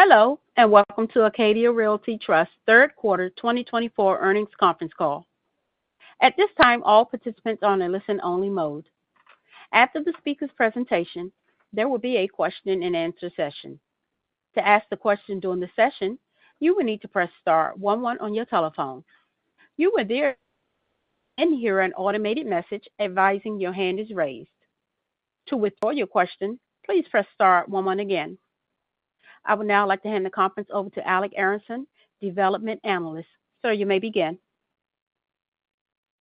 Hello, and welcome to Acadia Realty Trust third quarter twenty twenty-four earnings conference call. At this time, all participants are on a listen-only mode. After the speaker's presentation, there will be a question-and-answer session. To ask the question during the session, you will need to press star one one on your telephone. You will hear an automated message advising your hand is raised. To withdraw your question, please press star one one again. I would now like to hand the conference over to Alec Aronson, Development Analyst. Sir, you may begin.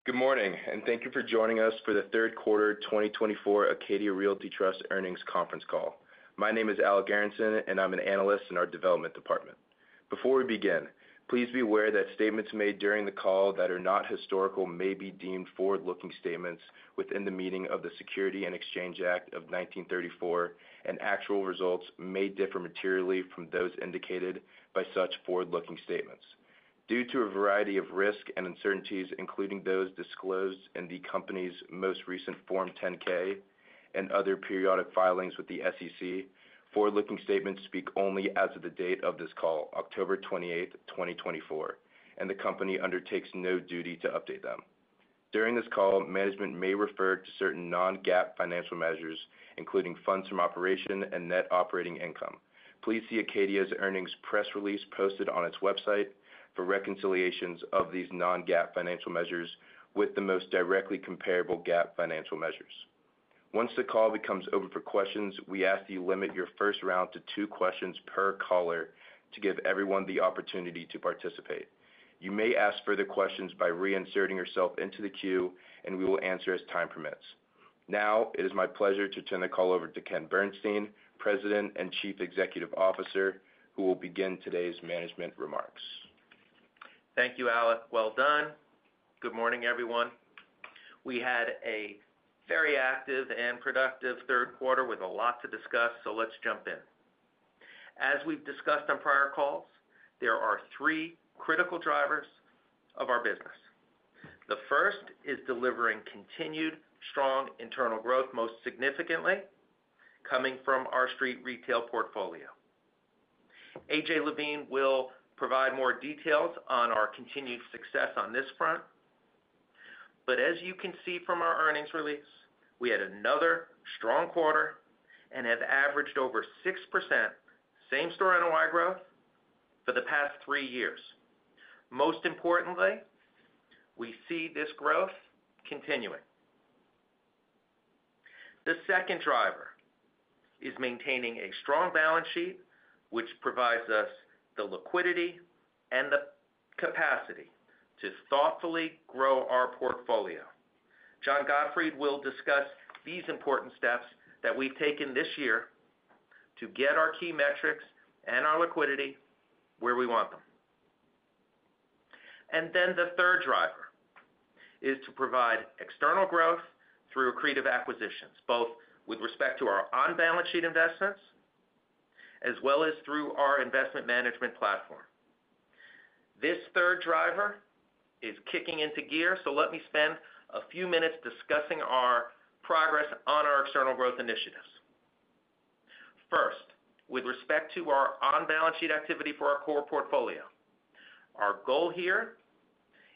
Good morning, and thank you for joining us for the third quarter twenty twenty-four Acadia Realty Trust earnings conference call. My name is Alec Aronson, and I'm an analyst in our development department. Before we begin, please be aware that statements made during the call that are not historical may be deemed forward-looking statements within the meaning of the Securities and Exchange Act of nineteen thirty-four, and actual results may differ materially from those indicated by such forward-looking statements. Due to a variety of risks and uncertainties, including those disclosed in the company's most recent Form 10-K and other periodic filings with the SEC, forward-looking statements speak only as of the date of this call, October twenty-eight, twenty twenty-four, and the company undertakes no duty to update them. During this call, management may refer to certain non-GAAP financial measures, including funds from operations and net operating income. Please see Acadia's earnings press release posted on its website for reconciliations of these non-GAAP financial measures with the most directly comparable GAAP financial measures. Once the call becomes open for questions, we ask that you limit your first round to two questions per caller to give everyone the opportunity to participate. You may ask further questions by reinserting yourself into the queue, and we will answer as time permits. Now, it is my pleasure to turn the call over to Ken Bernstein, President and Chief Executive Officer, who will begin today's management remarks. Thank you, Alec. Well done. Good morning, everyone. We had a very active and productive third quarter with a lot to discuss, so let's jump in. As we've discussed on prior calls, there are three critical drivers of our business. The first is delivering continued strong internal growth, most significantly coming from our street retail portfolio. A.J. Levine will provide more details on our continued success on this front, but as you can see from our earnings release, we had another strong quarter and have averaged over 6% same-store NOI growth for the past three years. Most importantly, we see this growth continuing. The second driver is maintaining a strong balance sheet, which provides us the liquidity and the capacity to thoughtfully grow our portfolio. John Gottfried will discuss these important steps that we've taken this year to get our key metrics and our liquidity where we want them. And then the third driver is to provide external growth through accretive acquisitions, both with respect to our on-balance sheet investments as well as through our investment management platform. This third driver is kicking into gear, so let me spend a few minutes discussing our progress on our external growth initiatives. First, with respect to our on-balance sheet activity for our core portfolio, our goal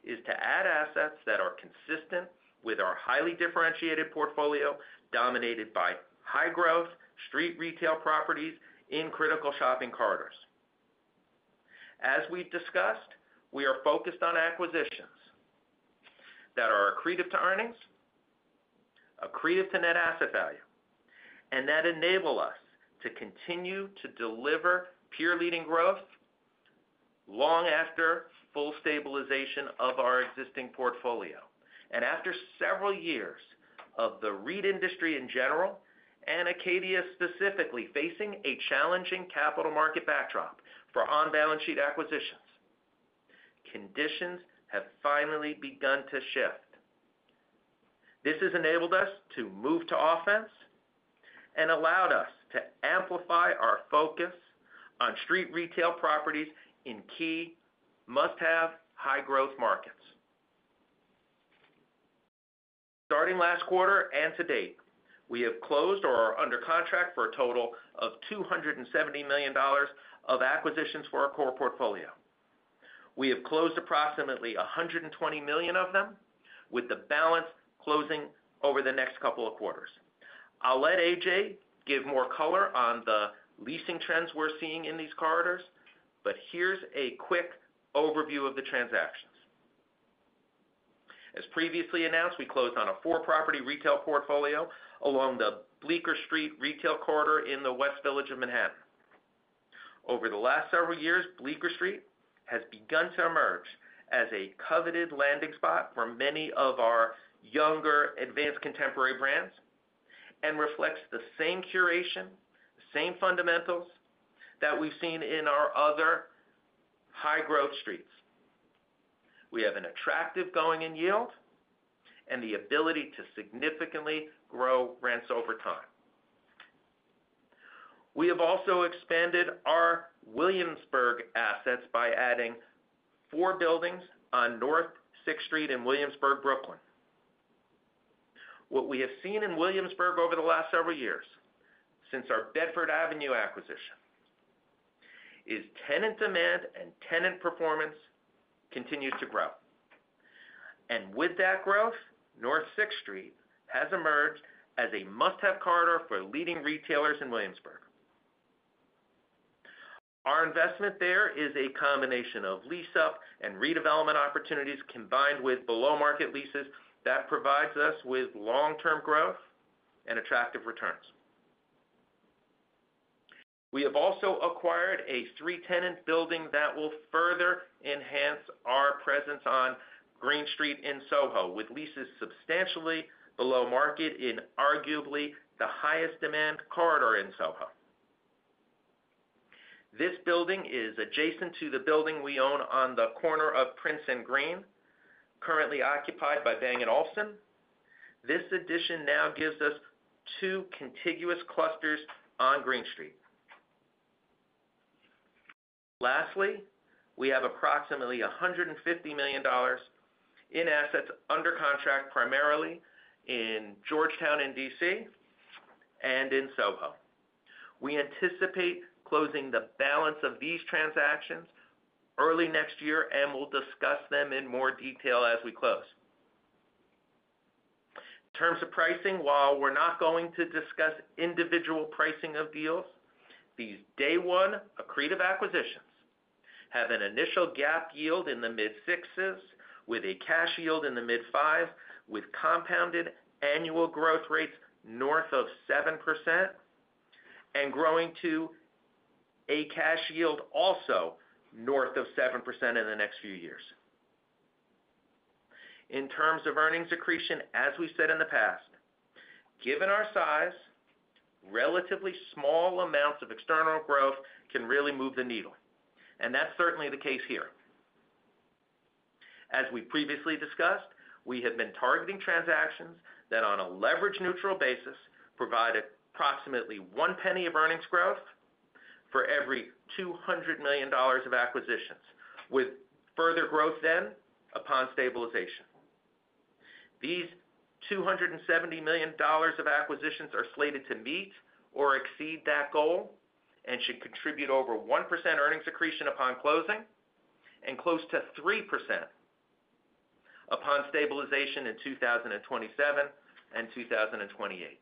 here is to add assets that are consistent with our highly differentiated portfolio, dominated by high-growth street retail properties in critical shopping corridors. As we've discussed, we are focused on acquisitions that are accretive to earnings, accretive to net asset value, and that enable us to continue to deliver peer-leading growth long after full stabilization of our existing portfolio. After several years of the REIT industry in general, and Acadia specifically, facing a challenging capital market backdrop for on-balance sheet acquisitions, conditions have finally begun to shift. This has enabled us to move to offense and allowed us to amplify our focus on street retail properties in key, must-have high-growth markets. Starting last quarter and to date, we have closed or are under contract for a total of $270 million of acquisitions for our core portfolio. We have closed approximately $120 million of them, with the balance closing over the next couple of quarters. I'll let A.J. give more color on the leasing trends we're seeing in these corridors, but here's a quick overview of the transactions. As previously announced, we closed on a four-property retail portfolio along the Bleecker Street retail corridor in the West Village of Manhattan. Over the last several years, Bleecker Street has begun to emerge as a coveted landing spot for many of our younger, advanced contemporary brands and reflects the same curation, same fundamentals that we've seen in our other high-growth streets. We have an attractive going-in yield and the ability to significantly grow rents over time. We have also expanded our Williamsburg assets by adding four buildings on North Sixth Street in Williamsburg, Brooklyn. What we have seen in Williamsburg over the last several years, since our Bedford Avenue acquisition, is tenant demand and tenant performance continues to grow. And with that growth, North Sixth Street has emerged as a must-have corridor for leading retailers in Williamsburg. Our investment there is a combination of lease-up and redevelopment opportunities, combined with below-market leases that provides us with long-term growth and attractive returns. We have also acquired a three-tenant building that will further enhance our presence on Greene Street in Soho, with leases substantially below market in arguably the highest demand corridor in Soho. This building is adjacent to the building we own on the corner of Prince and Greene, currently occupied by Bang & Olufsen. This addition now gives us two contiguous clusters on Greene Street. Lastly, we have approximately $150 million in assets under contract, primarily in Georgetown, in D.C., and in Soho. We anticipate closing the balance of these transactions early next year, and we'll discuss them in more detail as we close. In terms of pricing, while we're not going to discuss individual pricing of deals, these day one accretive acquisitions have an initial GAAP yield in the mid-sixes, with a cash yield in the mid-five, with compounded annual growth rates north of 7%, and growing to a cash yield also north of 7% in the next few years. In terms of earnings accretion, as we've said in the past, given our size, relatively small amounts of external growth can really move the needle, and that's certainly the case here. As we previously discussed, we have been targeting transactions that, on a leverage-neutral basis, provide approximately $0.01 of earnings growth for every $200 million of acquisitions, with further growth then upon stabilization. These $270 million of acquisitions are slated to meet or exceed that goal, and should contribute over 1% earnings accretion upon closing, and close to 3% upon stabilization in 2027 and 2028,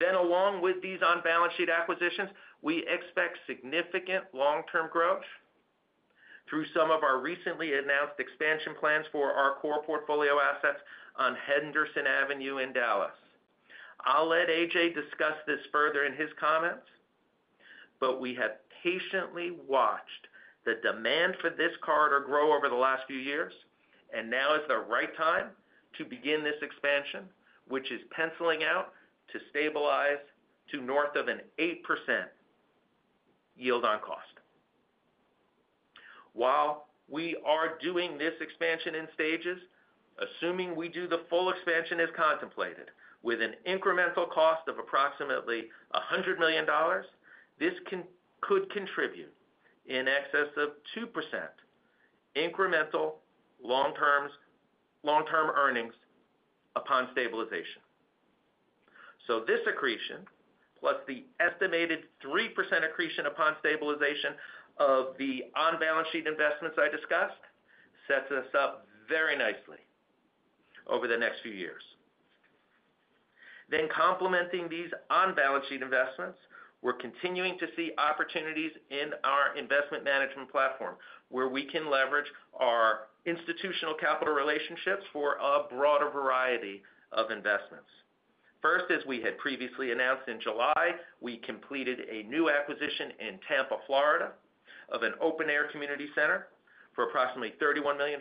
then, along with these on-balance sheet acquisitions, we expect significant long-term growth through some of our recently announced expansion plans for our core portfolio assets on Henderson Avenue in Dallas. I'll let A.J. discuss this further in his comments, but we have patiently watched the demand for this corridor grow over the last few years, and now is the right time to begin this expansion, which is penciling out to stabilize to north of an 8% yield on cost. While we are doing this expansion in stages, assuming we do, the full expansion is contemplated with an incremental cost of approximately $100 million. This could contribute in excess of 2% incremental long-term earnings upon stabilization. So this accretion, plus the estimated 3% accretion upon stabilization of the on-balance sheet investments I discussed, sets us up very nicely over the next few years. Then complementing these on-balance sheet investments, we're continuing to see opportunities in our investment management platform, where we can leverage our institutional capital relationships for a broader variety of investments. First, as we had previously announced in July, we completed a new acquisition in Tampa, Florida, of an open-air community center for approximately $31 million.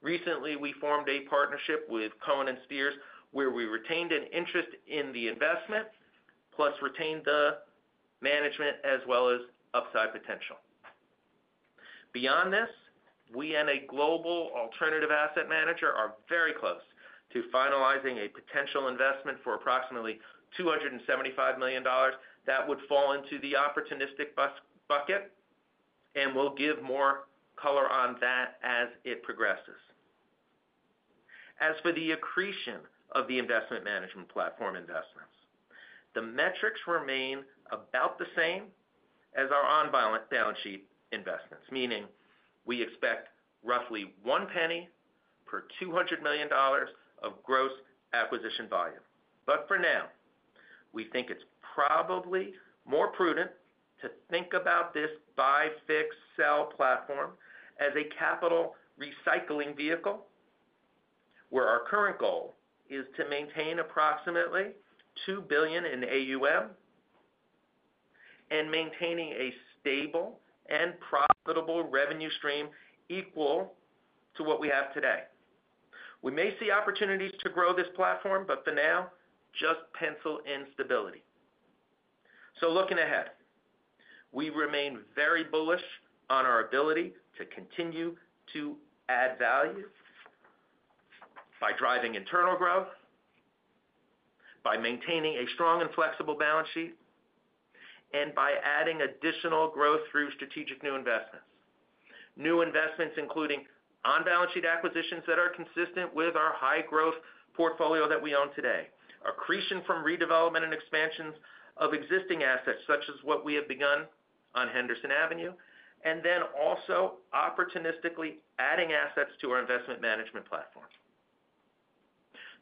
Recently, we formed a partnership with Cohen & Steers, where we retained an interest in the investment, plus retained the management as well as upside potential. Beyond this, we and a global alternative asset manager are very close to finalizing a potential investment for approximately $275 million. That would fall into the opportunistic business bucket, and we'll give more color on that as it progresses. As for the accretion of the investment management platform investments, the metrics remain about the same as our on-balance sheet investments, meaning we expect roughly $0.01 per $200 million of gross acquisition volume. But for now, we think it's probably more prudent to think about this buy, fix, sell platform as a capital recycling vehicle, where our current goal is to maintain approximately $2 billion in AUM and maintaining a stable and profitable revenue stream equal to what we have today. We may see opportunities to grow this platform, but for now, just pencil in stability. So looking ahead, we remain very bullish on our ability to continue to add value by driving internal growth by maintaining a strong and flexible balance sheet, and by adding additional growth through strategic new investments. New investments, including on-balance sheet acquisitions that are consistent with our high-growth portfolio that we own today, accretion from redevelopment and expansions of existing assets, such as what we have begun on Henderson Avenue, and then also opportunistically adding assets to our investment management platforms.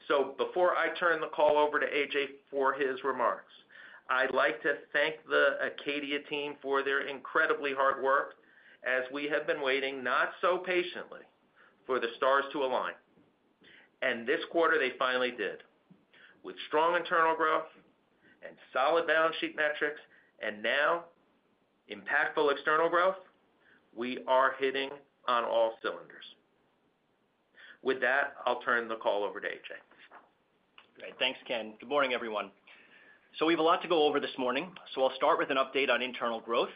So before I turn the call over to A.J. for his remarks, I'd like to thank the Acadia team for their incredibly hard work, as we have been waiting, not so patiently, for the stars to align. And this quarter, they finally did. With strong internal growth and solid balance sheet metrics, and now impactful external growth, we are hitting on all cylinders. With that, I'll turn the call over to A.J. Great. Thanks, Ken. Good morning, everyone. So we have a lot to go over this morning, so I'll start with an update on internal growth,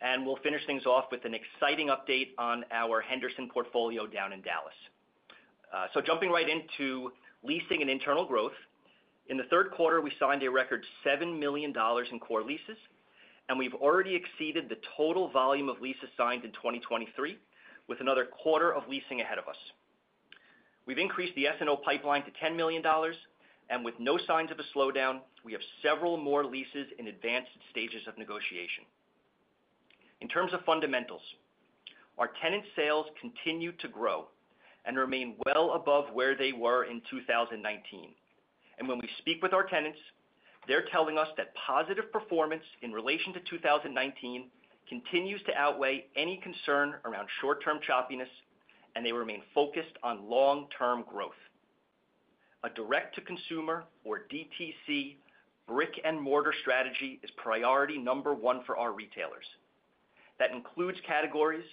and we'll finish things off with an exciting update on our Henderson portfolio down in Dallas. So jumping right into leasing and internal growth. In the third quarter, we signed a record $7 million in core leases, and we've already exceeded the total volume of leases signed in 2023, with another quarter of leasing ahead of us. We've increased the SNO pipeline to $10 million, and with no signs of a slowdown, we have several more leases in advanced stages of negotiation. In terms of fundamentals, our tenant sales continue to grow and remain well above where they were in 2019. When we speak with our tenants, they're telling us that positive performance in relation to 2019 continues to outweigh any concern around short-term choppiness, and they remain focused on long-term growth. A direct-to-consumer, or DTC, brick-and-mortar strategy is priority number one for our retailers. That includes categories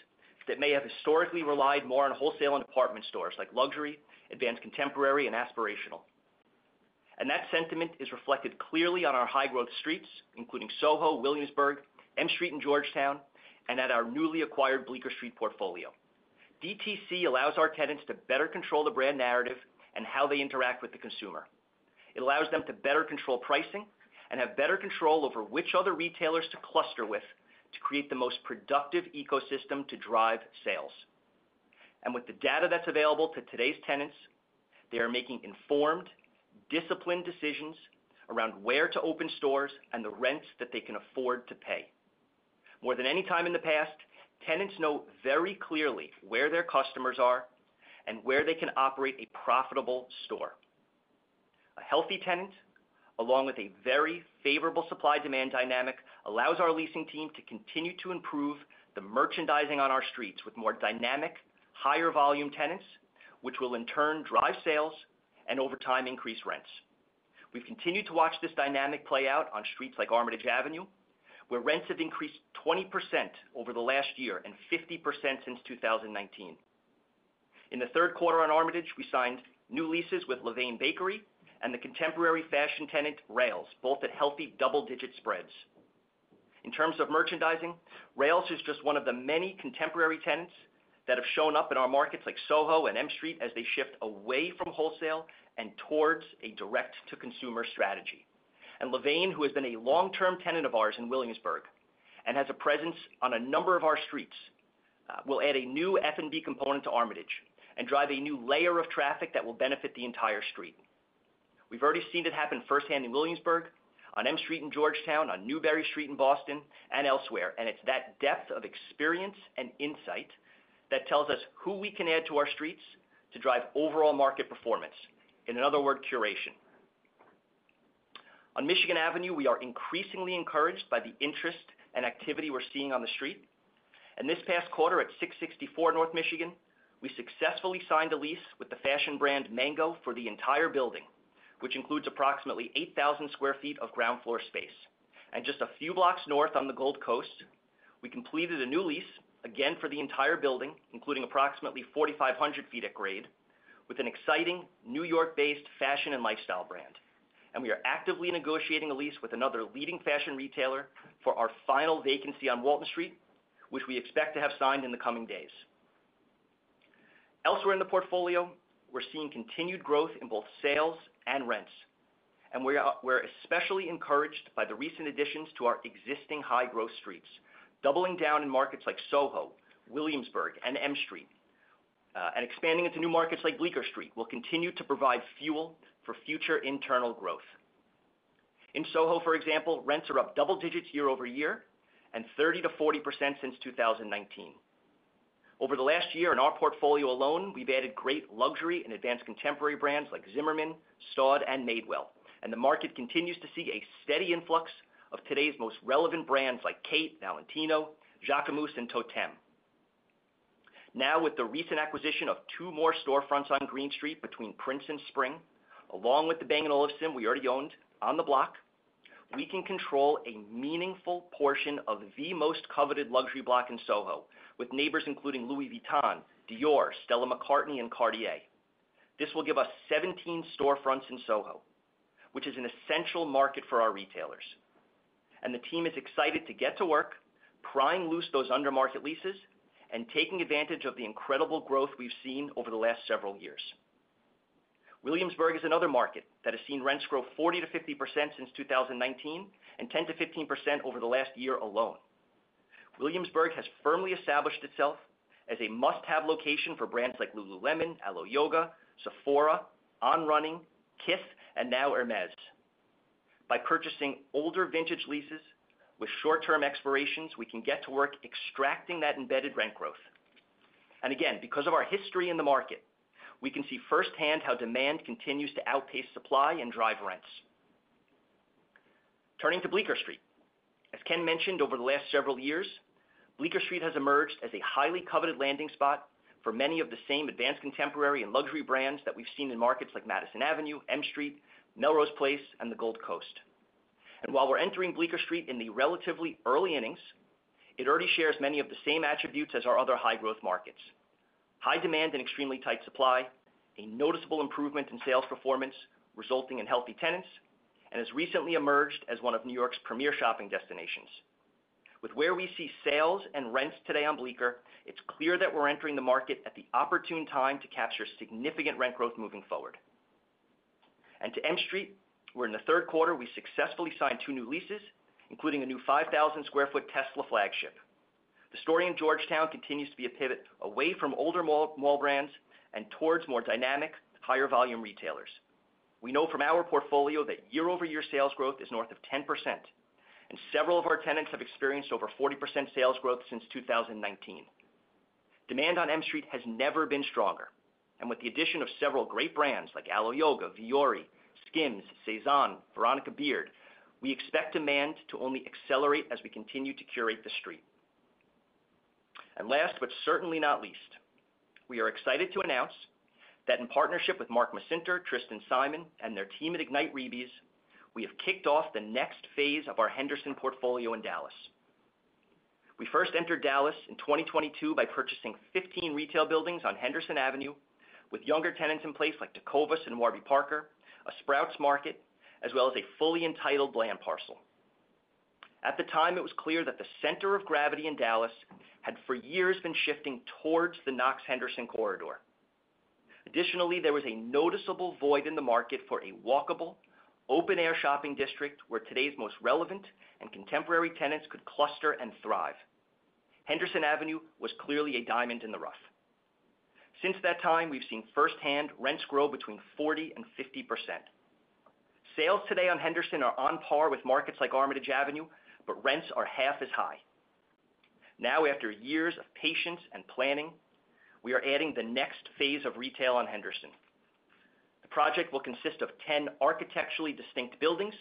that may have historically relied more on wholesale and department stores, like luxury, advanced contemporary, and aspirational. That sentiment is reflected clearly on our high-growth streets, including Soho, Williamsburg, M Street, and Georgetown, and at our newly acquired Bleecker Street portfolio. DTC allows our tenants to better control the brand narrative and how they interact with the consumer. It allows them to better control pricing and have better control over which other retailers to cluster with to create the most productive ecosystem to drive sales. With the data that's available to today's tenants, they are making informed, disciplined decisions around where to open stores and the rents that they can afford to pay. More than any time in the past, tenants know very clearly where their customers are and where they can operate a profitable store. A healthy tenant, along with a very favorable supply-demand dynamic, allows our leasing team to continue to improve the merchandising on our streets with more dynamic, higher-volume tenants, which will in turn drive sales and, over time, increase rents. We've continued to watch this dynamic play out on streets like Armitage Avenue, where rents have increased 20% over the last year and 50% since 2019. In the third quarter on Armitage, we signed new leases with Levain Bakery and the contemporary fashion tenant, Rails, both at healthy double-digit spreads. In terms of merchandising, Rails is just one of the many contemporary tenants that have shown up in our markets, like Soho and M Street, as they shift away from wholesale and towards a direct-to-consumer strategy, and Levain, who has been a long-term tenant of ours in Williamsburg and has a presence on a number of our streets, will add a new F&B component to Armitage and drive a new layer of traffic that will benefit the entire street. We've already seen it happen firsthand in Williamsburg, on M Street in Georgetown, on Newbury Street in Boston, and elsewhere, and it's that depth of experience and insight that tells us who we can add to our streets to drive overall market performance. In another word, curation. On Michigan Avenue, we are increasingly encouraged by the interest and activity we're seeing on the street. This past quarter, at 664 North Michigan Avenue, we successfully signed a lease with the fashion brand Mango for the entire building, which includes approximately 8,000 sq ft of ground floor space. Just a few blocks north on the Gold Coast, we completed a new lease, again, for the entire building, including approximately 4,500 sq ft at grade, with an exciting New York-based fashion and lifestyle brand. We are actively negotiating a lease with another leading fashion retailer for our final vacancy on Walton Street, which we expect to have signed in the coming days. Elsewhere in the portfolio, we're seeing continued growth in both sales and rents, and we are especially encouraged by the recent additions to our existing high-growth streets. Doubling down in markets like Soho, Williamsburg, and M Street, and expanding into new markets like Bleecker Street, will continue to provide fuel for future internal growth. In Soho, for example, rents are up double digits year over year and 30%-40% since 2019. Over the last year, in our portfolio alone, we've added great luxury and advanced contemporary brands like Zimmermann, Staud, and Madewell. And the market continues to see a steady influx of today's most relevant brands, like Khaite, Valentino, Jacquemus, and Totême. Now, with the recent acquisition of 2 more storefronts on Greene Street between Prince and Spring, along with the Bang & Olufsen we already owned on the block, we can control a meaningful portion of the most coveted luxury block in Soho, with neighbors including Louis Vuitton, Dior, Stella McCartney, and Cartier. This will give us seventeen storefronts in Soho, which is an essential market for our retailers, and the team is excited to get to work, prying loose those under-market leases, and taking advantage of the incredible growth we've seen over the last several years. Williamsburg is another market that has seen rents grow 40%-50% since two thousand and nineteen, and 10%-15% over the last year alone. Williamsburg has firmly established itself as a must-have location for brands like Lululemon, Alo Yoga, Sephora, On Running, Kith, and now Hermès. By purchasing older vintage leases with short-term expirations, we can get to work extracting that embedded rent growth. And again, because of our history in the market, we can see firsthand how demand continues to outpace supply and drive rents. Turning to Bleecker Street. As Ken mentioned, over the last several years, Bleecker Street has emerged as a highly coveted landing spot for many of the same advanced contemporary and luxury brands that we've seen in markets like Madison Avenue, M Street, Melrose Place, and the Gold Coast. And while we're entering Bleecker Street in the relatively early innings, it already shares many of the same attributes as our other high-growth markets: high demand and extremely tight supply, a noticeable improvement in sales performance resulting in healthy tenants, and has recently emerged as one of New York's premier shopping destinations. With where we see sales and rents today on Bleecker, it's clear that we're entering the market at the opportune time to capture significant rent growth moving forward. And to M Street, where in the third quarter, we successfully signed two new leases, including a new 5,000 sq ft Tesla flagship. The story in Georgetown continues to be a pivot away from older mall, mall brands and towards more dynamic, higher volume retailers. We know from our portfolio that year-over-year sales growth is north of 10%, and several of our tenants have experienced over 40% sales growth since 2019. Demand on M Street has never been stronger, and with the addition of several great brands like Alo Yoga, Vuori, Skims, Sézane, Veronica Beard, we expect demand to only accelerate as we continue to curate the street. Last, but certainly not least, we are excited to announce that in partnership with Mark Masinter, Tristan Simon, and their team at Rebees, we have kicked off the next phase of our Henderson portfolio in Dallas. We first entered Dallas in 2022 by purchasing 15 retail buildings on Henderson Avenue, with younger tenants in place like Tacolicious and Warby Parker, a Sprouts market, as well as a fully entitled land parcel. At the time, it was clear that the center of gravity in Dallas had, for years, been shifting towards the Knox-Henderson corridor. Additionally, there was a noticeable void in the market for a walkable, open-air shopping district, where today's most relevant and contemporary tenants could cluster and thrive. Henderson Avenue was clearly a diamond in the rough. Since that time, we've seen firsthand rents grow between 40% and 50%. Sales today on Henderson are on par with markets like Armitage Avenue, but rents are half as high. Now, after years of patience and planning, we are adding the next phase of retail on Henderson. The project will consist of ten architecturally distinct buildings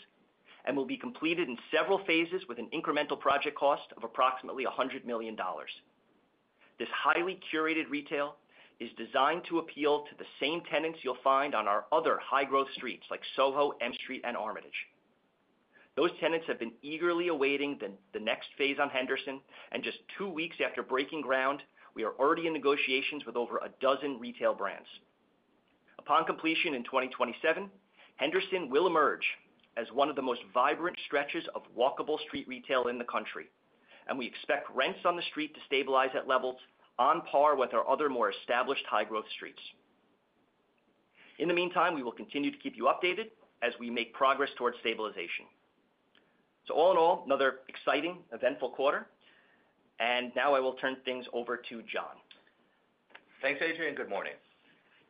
and will be completed in several phases with an incremental project cost of approximately $100 million. This highly curated retail is designed to appeal to the same tenants you'll find on our other high-growth streets, like Soho, M Street, and Armitage. Those tenants have been eagerly awaiting the next phase on Henderson, and just two weeks after breaking ground, we are already in negotiations with over a dozen retail brands. Upon completion in 2027, Henderson will emerge as one of the most vibrant stretches of walkable street retail in the country, and we expect rents on the street to stabilize at levels on par with our other more established high-growth streets. In the meantime, we will continue to keep you updated as we make progress towards stabilization. So all in all, another exciting, eventful quarter. Now I will turn things over to John. Thanks, A.J. Good morning.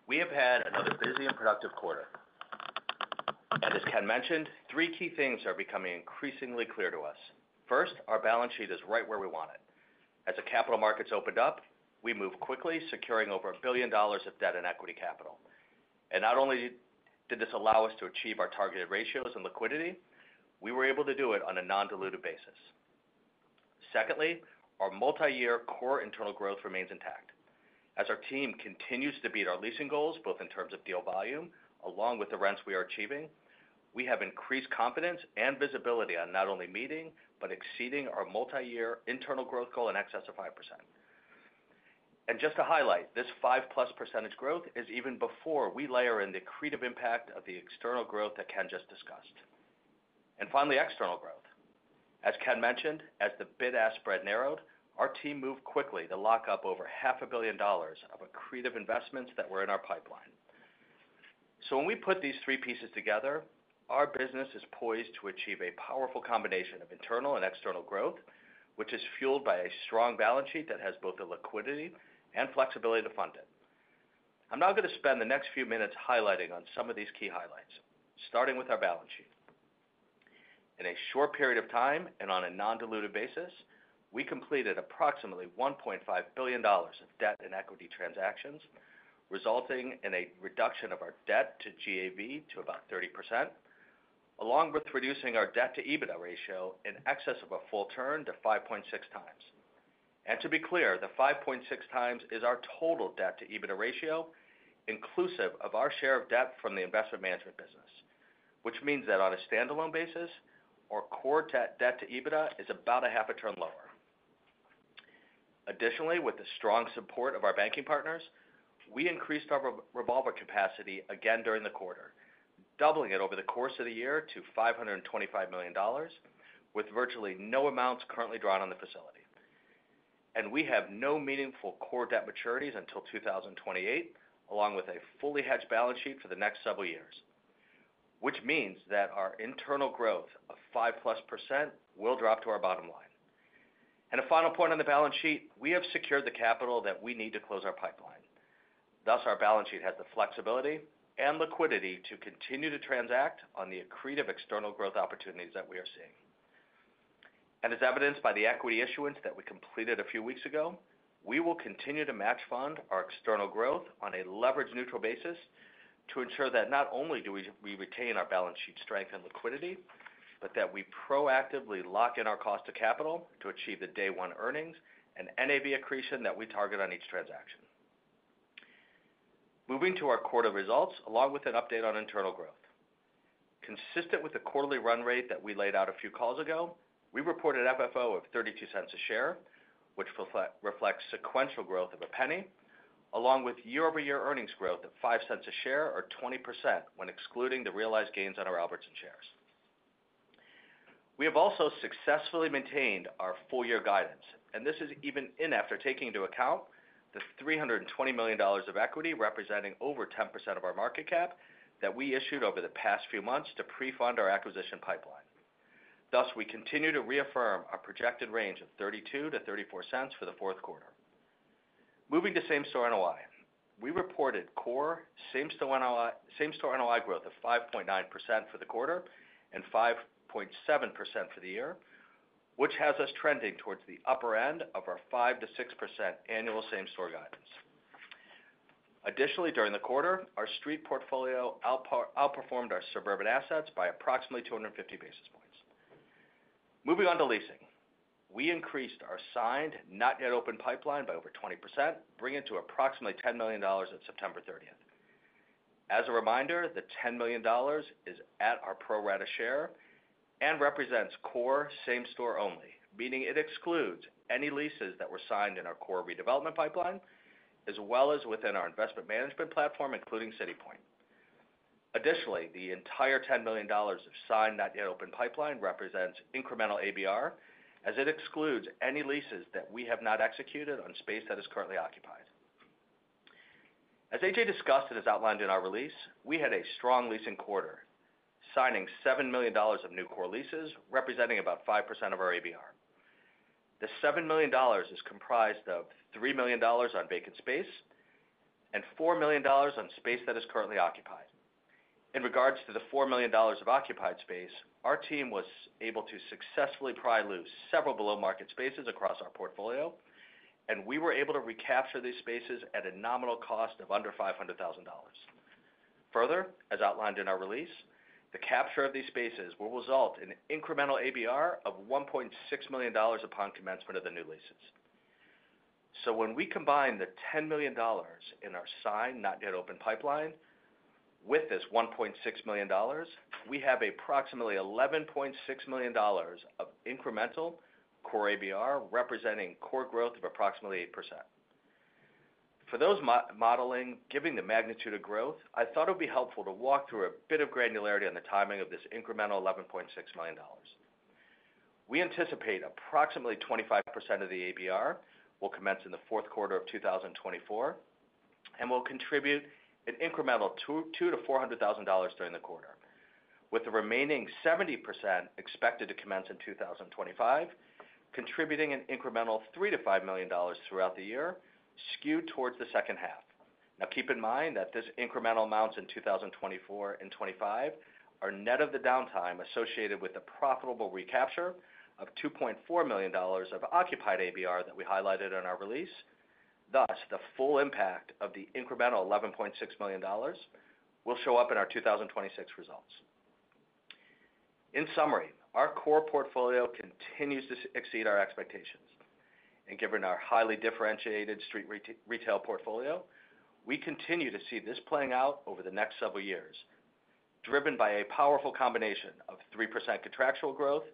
We have had another busy and productive quarter. And as Ken mentioned, three key things are becoming increasingly clear to us. First, our balance sheet is right where we want it. As the capital markets opened up, we moved quickly, securing over $1 billion of debt and equity capital. And not only did this allow us to achieve our targeted ratios and liquidity, we were able to do it on a non-dilutive basis. Secondly, our multi-year core internal growth remains intact. As our team continues to beat our leasing goals, both in terms of deal volume along with the rents we are achieving, we have increased confidence and visibility on not only meeting, but exceeding our multi-year internal growth goal in excess of 5%. Just to highlight, this 5+% growth is even before we layer in the accretive impact of the external growth that Ken just discussed. Finally, external growth. As Ken mentioned, as the bid-ask spread narrowed, our team moved quickly to lock up over $500 million of accretive investments that were in our pipeline. When we put these three pieces together, our business is poised to achieve a powerful combination of internal and external growth, which is fueled by a strong balance sheet that has both the liquidity and flexibility to fund it. I'm now going to spend the next few minutes highlighting on some of these key highlights, starting with our balance sheet. In a short period of time and on a non-diluted basis, we completed approximately $1.5 billion of debt and equity transactions, resulting in a reduction of our debt to GAV to about 30%, along with reducing our debt to EBITDA ratio in excess of a full turn to 5.6x, and to be clear, the 5.6x is our total debt to EBITDA ratio, inclusive of our share of debt from the investment management business, which means that on a standalone basis, our core debt to EBITDA is about a half a turn lower. Additionally, with the strong support of our banking partners, we increased our revolver capacity again during the quarter, doubling it over the course of the year to $525 million, with virtually no amounts currently drawn on the facility. And we have no meaningful core debt maturities until 2028, along with a fully hedged balance sheet for the next several years, which means that our internal growth of 5+ % will drop to our bottom line. And a final point on the balance sheet, we have secured the capital that we need to close our pipeline. Thus, our balance sheet has the flexibility and liquidity to continue to transact on the accretive external growth opportunities that we are seeing. As evidenced by the equity issuance that we completed a few weeks ago, we will continue to match fund our external growth on a leverage-neutral basis to ensure that not only do we retain our balance sheet strength and liquidity, but that we proactively lock in our cost of capital to achieve the day one earnings and NAV accretion that we target on each transaction. Moving to our quarter results, along with an update on internal growth. Consistent with the quarterly run rate that we laid out a few calls ago, we reported FFO of $0.32 per share, which reflects sequential growth of $0.01, along with year-over-year earnings growth of $0.05 per share or 20% when excluding the realized gains on our Albertsons shares. We have also successfully maintained our full-year guidance, and this is even after taking into account the $320 million of equity, representing over 10% of our market cap, that we issued over the past few months to pre-fund our acquisition pipeline. Thus, we continue to reaffirm our projected range of $0.32-$0.34 for the fourth quarter. Moving to same-store NOI. We reported core same-store NOI, same-store NOI growth of 5.9% for the quarter and 5.7% for the year, which has us trending towards the upper end of our 5%-6% annual same-store guidance. Additionally, during the quarter, our street portfolio outperformed our suburban assets by approximately 250 basis points. Moving on to leasing. We increased our signed, not-yet-opened pipeline by over 20%, bringing it to approximately $10 million at September 30th. As a reminder, the $10 million is at our pro rata share and represents core same store only, meaning it excludes any leases that were signed in our core redevelopment pipeline, as well as within our investment management platform, including City Point. Additionally, the entire $10 million of signed not yet open pipeline represents incremental ABR, as it excludes any leases that we have not executed on space that is currently occupied. As A.J. discussed, and as outlined in our release, we had a strong leasing quarter, signing $7 million of new core leases, representing about 5% of our ABR. The $7 million is comprised of $3 million on vacant space and $4 million on space that is currently occupied. In regards to the $4 million of occupied space, our team was able to successfully pry loose several below-market spaces across our portfolio, and we were able to recapture these spaces at a nominal cost of under $500,000. Further, as outlined in our release, the capture of these spaces will result in incremental ABR of $1.6 million upon commencement of the new leases. So when we combine the $10 million in our signed, not-yet-open pipeline with this $1.6 million, we have approximately $11.6 million of incremental core ABR, representing core growth of approximately 8%. For those modeling, given the magnitude of growth, I thought it would be helpful to walk through a bit of granularity on the timing of this incremental $11.6 million. We anticipate approximately 25% of the ABR will commence in the fourth quarter of 2024, and will contribute an incremental $220,000-$400,000 during the quarter, with the remaining 70% expected to commence in 2025, contributing an incremental $3 million-$5 million throughout the year, skewed towards the second half. Now, keep in mind that this incremental amounts in 2024 and 2025 are net of the downtime associated with the profitable recapture of $2.4 million of occupied ABR that we highlighted in our release. Thus, the full impact of the incremental $11.6 million will show up in our 2026 results. In summary, our core portfolio continues to exceed our expectations, and given our highly differentiated street retail portfolio, we continue to see this playing out over the next several years, driven by a powerful combination of 3% contractual growth,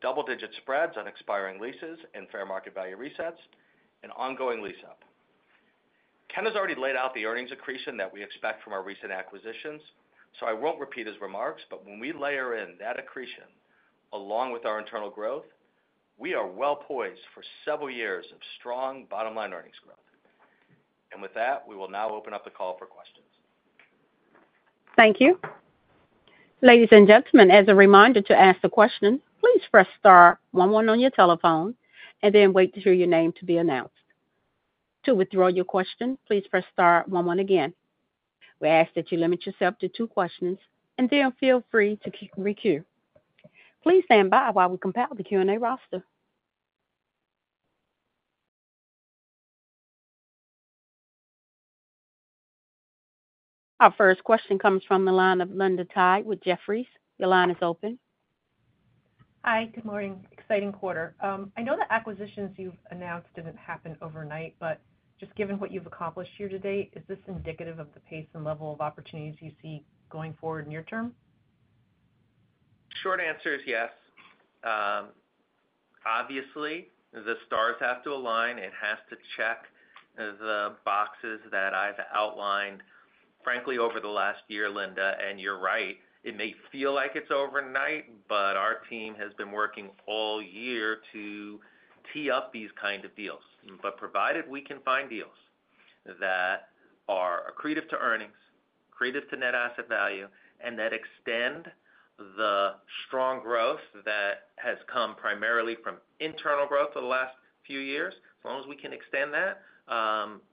double-digit spreads on expiring leases and fair market value resets, and ongoing lease up. Ken has already laid out the earnings accretion that we expect from our recent acquisitions, so I won't repeat his remarks, but when we layer in that accretion along with our internal growth, we are well poised for several years of strong bottom-line earnings growth. With that, we will now open up the call for questions. Thank you. Ladies and gentlemen, as a reminder to ask a question, please press star one one on your telephone and then wait to hear your name to be announced. To withdraw your question, please press star one one again. We ask that you limit yourself to two questions and then feel free to requeue. Please stand by while we compile the Q&A roster. Our first question comes from the line of Linda Tsai with Jefferies. Your line is open. Hi, good morning. Exciting quarter. I know the acquisitions you've announced didn't happen overnight, but just given what you've accomplished here to date, is this indicative of the pace and level of opportunities you see going forward near term? Short answer is yes. Obviously, the stars have to align. It has to check the boxes that I've outlined, frankly, over the last year, Linda, and you're right, it may feel like it's overnight, but our team has been working all year to tee up these kind of deals. But provided we can find deals that are accretive to earnings, accretive to net asset value, and that extend the strong growth that has come primarily from internal growth for the last few years, as long as we can extend that,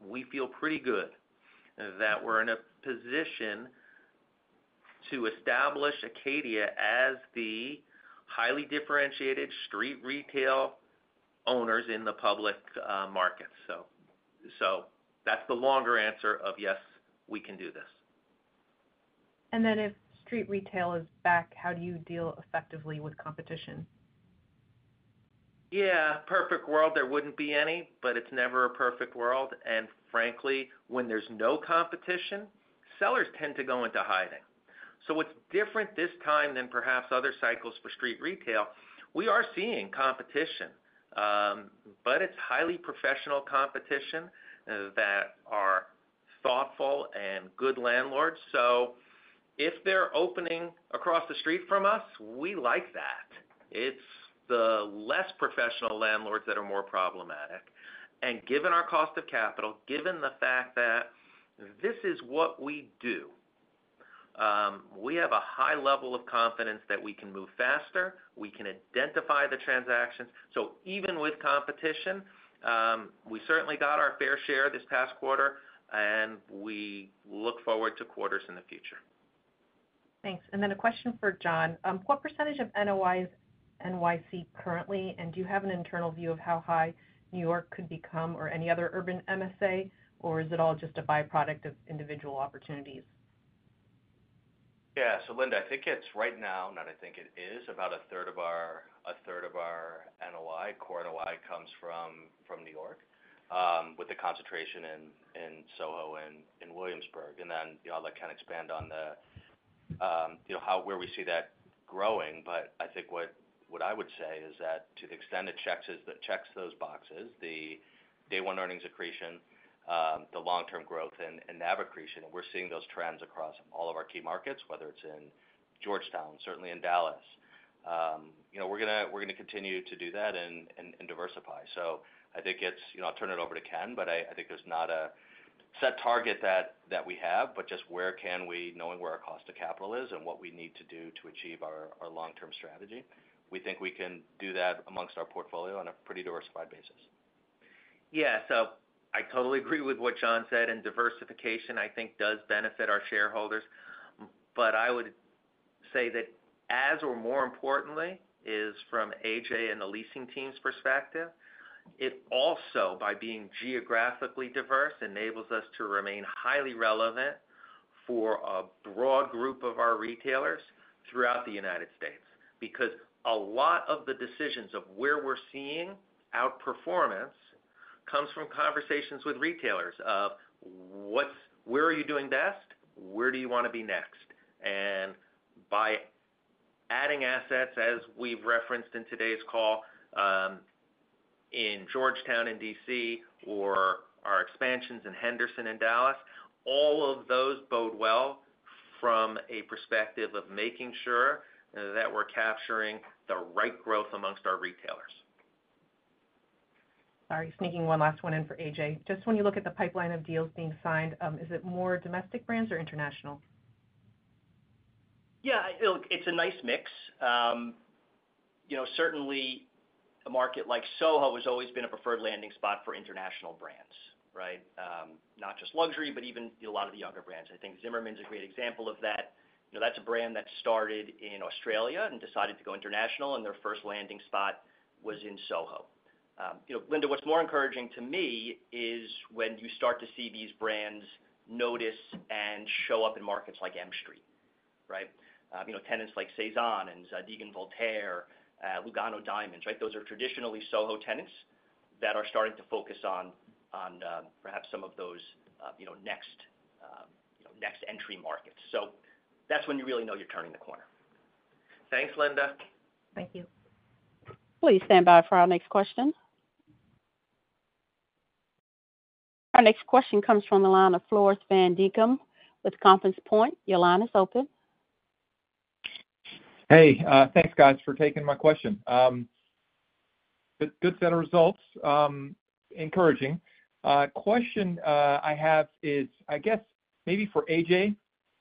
we feel pretty good that we're in a position to establish Acadia as the highly differentiated street retail owners in the public market. So, so that's the longer answer of, yes, we can do this. If street retail is back, how do you deal effectively with competition? Yeah, perfect world, there wouldn't be any, but it's never a perfect world. And frankly, when there's no competition, sellers tend to go into hiding. So what's different this time than perhaps other cycles for street retail, we are seeing competition, but it's highly professional competition, that are thoughtful and good landlords. So if they're opening across the street from us, we like that. It's the less professional landlords that are more problematic. And given our cost of capital, given the fact that this is what we do, we have a high level of confidence that we can move faster, we can identify the transactions. So even with competition, we certainly got our fair share this past quarter, and we look forward to quarters in the future. Thanks. And then a question for John. What percentage of NOIs, NYC currently, and do you have an internal view of how high New York could become, or any other urban MSA, or is it all just a byproduct of individual opportunities? Yeah. So Linda, I think it's right now, not I think it is, about a third of our, a third of our NOI, core NOI, comes from New York, with a concentration in Soho and in Williamsburg. And then, you know, I'll let Ken expand on the, you know, where we see that growing. But I think what I would say is that to the extent it checks, that checks those boxes, the day one earnings accretion, the long-term growth and NAV accretion, we're seeing those trends across all of our key markets, whether it's in Georgetown, certainly in Dallas. You know, we're gonna continue to do that and diversify. I think it's, you know, I'll turn it over to Ken, but I think there's not a set target that we have, but just where can we, knowing where our cost of capital is and what we need to do to achieve our long-term strategy, we think we can do that amongst our portfolio on a pretty diversified basis. Yeah. So I totally agree with what John said, and diversification, I think, does benefit our shareholders. But I would say that as or more importantly, is from AJ and the leasing team's perspective, it also, by being geographically diverse, enables us to remain highly relevant for a broad group of our retailers throughout the United States. Because a lot of the decisions of where we're seeing outperformance comes from conversations with retailers of what's where are you doing best? Where do you want to be next? And by adding assets, as we've referenced in today's call, in Georgetown and DC, or our expansions in Henderson and Dallas, all of those bode well from a perspective of making sure that we're capturing the right growth amongst our retailers. Sorry, sneaking one last one in for A.J. Just when you look at the pipeline of deals being signed, is it more domestic brands or international? Yeah, it's a nice mix. You know, certainly a market like Soho has always been a preferred landing spot for international brands, right? Not just luxury, but even a lot of the younger brands. I think Zimmermann is a great example of that. You know, that's a brand that started in Australia and decided to go international, and their first landing spot was in Soho. You know, Linda, what's more encouraging to me is when you start to see these brands notice and show up in markets like M Street, right? You know, tenants like Sézane and Zadig & Voltaire, Lugano Diamonds, right? Those are traditionally Soho tenants that are starting to focus on you know next entry markets. So that's when you really know you're turning the corner. Thanks, Linda. Thank you. Please stand by for our next question. Our next question comes from the line of Floris van Dijkum with Compass Point. Your line is open. Hey, thanks, guys, for taking my question. Good, good set of results, encouraging. Question, I have is, I guess maybe for A.J.,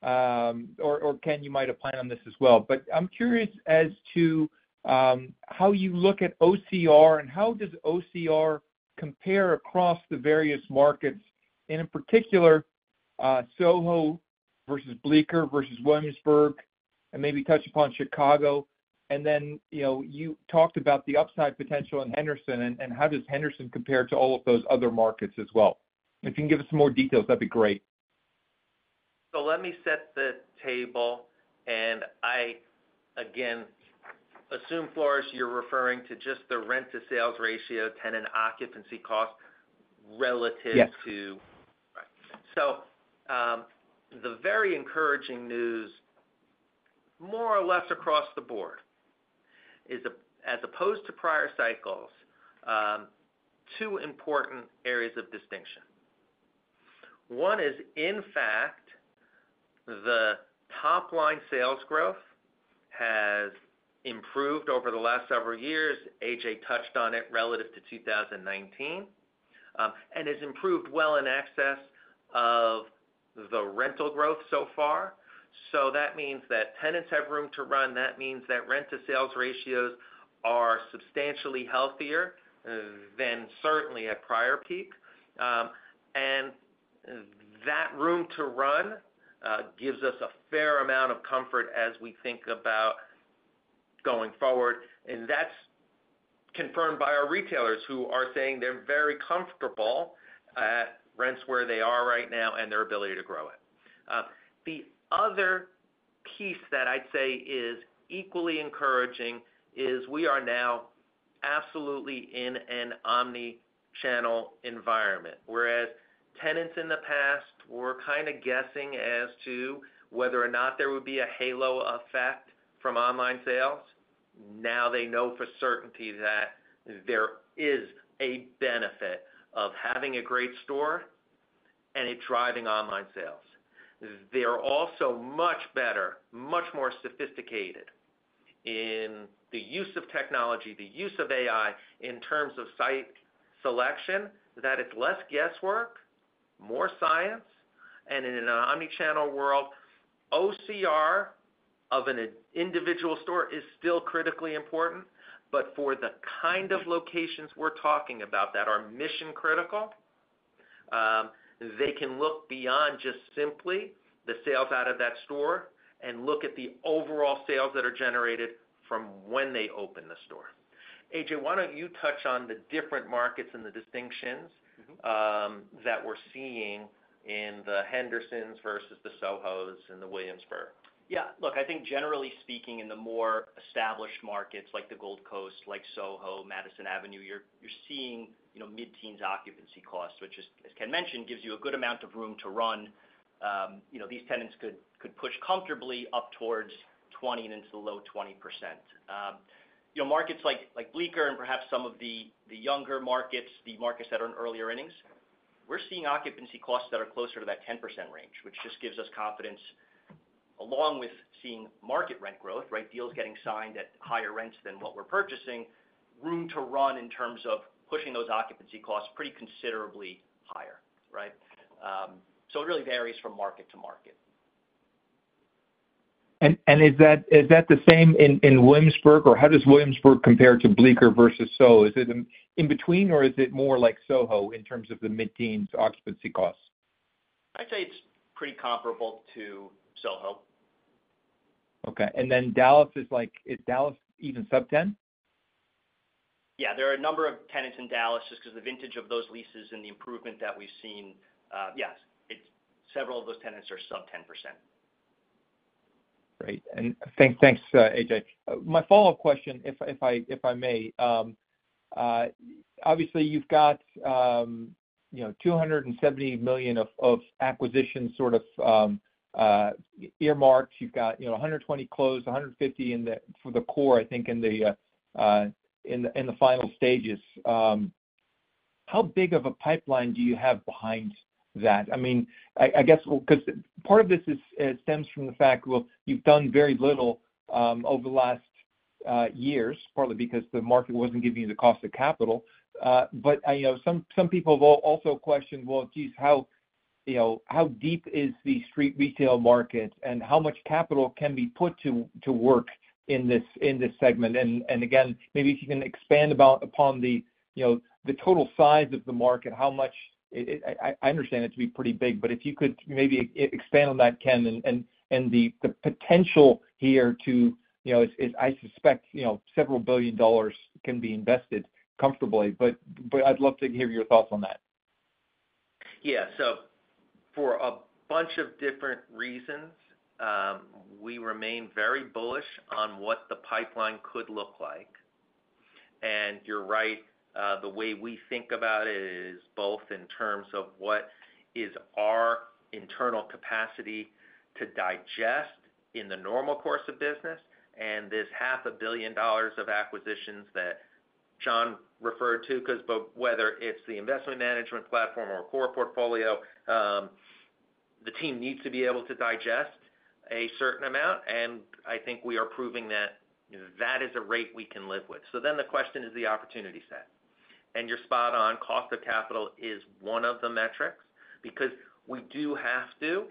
or, or Ken, you might have planned on this as well. But I'm curious as to, how you look at OCR, and how does OCR compare across the various markets, and in particular, Soho versus Bleecker versus Williamsburg, and maybe touch upon Chicago. And then, you know, you talked about the upside potential in Henderson, and how does Henderson compare to all of those other markets as well? If you can give us some more details, that'd be great. So let me set the table, and I, again, assume, Floris, you're referring to just the rent-to-sales ratio, tenant occupancy cost relative to. So, the very encouraging news, more or less across the board, is as opposed to prior cycles, two important areas of distinction. One is, in fact, the top line sales growth has improved over the last several years. A.J. touched on it relative to two thousand and nineteen, and has improved well in excess of the rental growth so far. So that means that tenants have room to run, that means that rent to sales ratios are substantially healthier, than certainly at prior peak. That room to run gives us a fair amount of comfort as we think about going forward, and that's confirmed by our retailers, who are saying they're very comfortable at rents where they are right now and their ability to grow it. The other piece that I'd say is equally encouraging is we are now absolutely in an omni-channel environment, whereas tenants in the past were kind of guessing as to whether or not there would be a halo effect from online sales. Now they know for certainty that there is a benefit of having a great store and it driving online sales. They are also much better, much more sophisticated in the use of technology, the use of AI, in terms of site selection, that it's less guesswork, more science, and in an omni-channel world, OCR of an individual store is still critically important. But for the kind of locations we're talking about that are mission critical, they can look beyond just simply the sales out of that store and look at the overall sales that are generated from when they open the store. A.J., why don't you touch on the different markets and the distinctions- Mm-hmm. That we're seeing in the Henderson's versus the SoHo's and the Williamsburg? Yeah. Look, I think generally speaking, in the more established markets, like the Gold Coast, like Soho, Madison Avenue, you're seeing, you know, mid-teens occupancy costs, which is, as Ken mentioned, gives you a good amount of room to run. You know, these tenants could push comfortably up towards 20 and into the low 20%. You know, markets like Bleecker and perhaps some of the younger markets, the markets that are in earlier innings, we're seeing occupancy costs that are closer to that 10% range, which just gives us confidence, along with seeing market rent growth, right? Deals getting signed at higher rents than what we're purchasing, room to run in terms of pushing those occupancy costs pretty considerably higher, right? So it really varies from market to market. Is that the same in Williamsburg, or how does Williamsburg compare to Bleecker versus Soho? Is it in between, or is it more like Soho in terms of the mid-teens occupancy costs? I'd say it's pretty comparable to Soho. Okay and then Dallas is like. Is Dallas even sub-10? Yeah, there are a number of tenants in Dallas, just 'cause the vintage of those leases and the improvement that we've seen. Yes, several of those tenants are sub-10%. Great, and thank, thanks, A.J. My follow-up question, if I may, obviously, you've got, you know, $270 million of acquisition sort of earmarked. You've got, you know, $120 million closed, $150 million in the for the core, I think in the final stages. How big of a pipeline do you have behind that? I mean, I guess, well, 'cause part of this is stems from the fact, well, you've done very little over the last years, partly because the market wasn't giving you the cost of capital. But, you know, some people have also questioned, well, geez, how, you know, how deep is the street retail market, and how much capital can be put to work in this segment? And again, maybe if you can expand upon the, you know, the total size of the market, how much it I understand it to be pretty big, but if you could maybe expand on that, Ken, and the potential here to, you know, as I suspect, you know, several billion dollars can be invested comfortably. But I'd love to hear your thoughts on that. Yeah. So for a bunch of different reasons, we remain very bullish on what the pipeline could look like. And you're right, the way we think about it is both in terms of what is our internal capacity to digest in the normal course of business, and this $500 million of acquisitions that John referred to, 'cause whether it's the investment management platform or core portfolio, the team needs to be able to digest a certain amount, and I think we are proving that that is a rate we can live with. So then the question is the opportunity set. And you're spot on, cost of capital is one of the metrics, because we do have to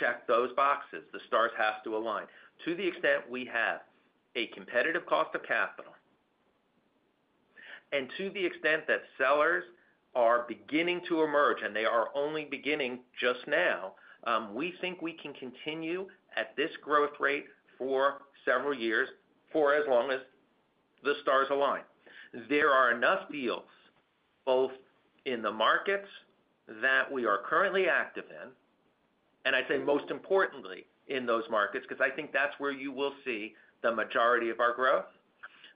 check those boxes. The stars have to align. To the extent we have a competitive cost of capital, and to the extent that sellers are beginning to emerge, and they are only beginning just now, we think we can continue at this growth rate for several years, for as long as the stars align. There are enough deals, both in the markets that we are currently active in and I say most importantly in those markets, because I think that's where you will see the majority of our growth.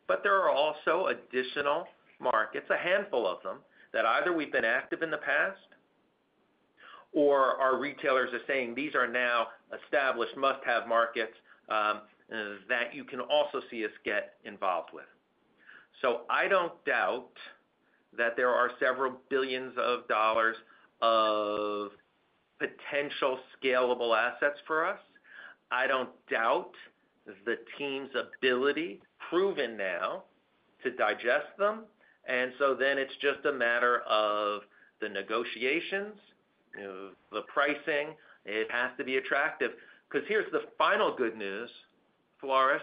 But there are also additional markets, a handful of them, that either we've been active in the past or our retailers are saying these are now established, must-have markets, that you can also see us get involved with. So I don't doubt that there are several billions of dollars of potential scalable assets for us. I don't doubt the team's ability, proven now, to digest them. And so then it's just a matter of the negotiations, the pricing. It has to be attractive, because here's the final good news, Floris.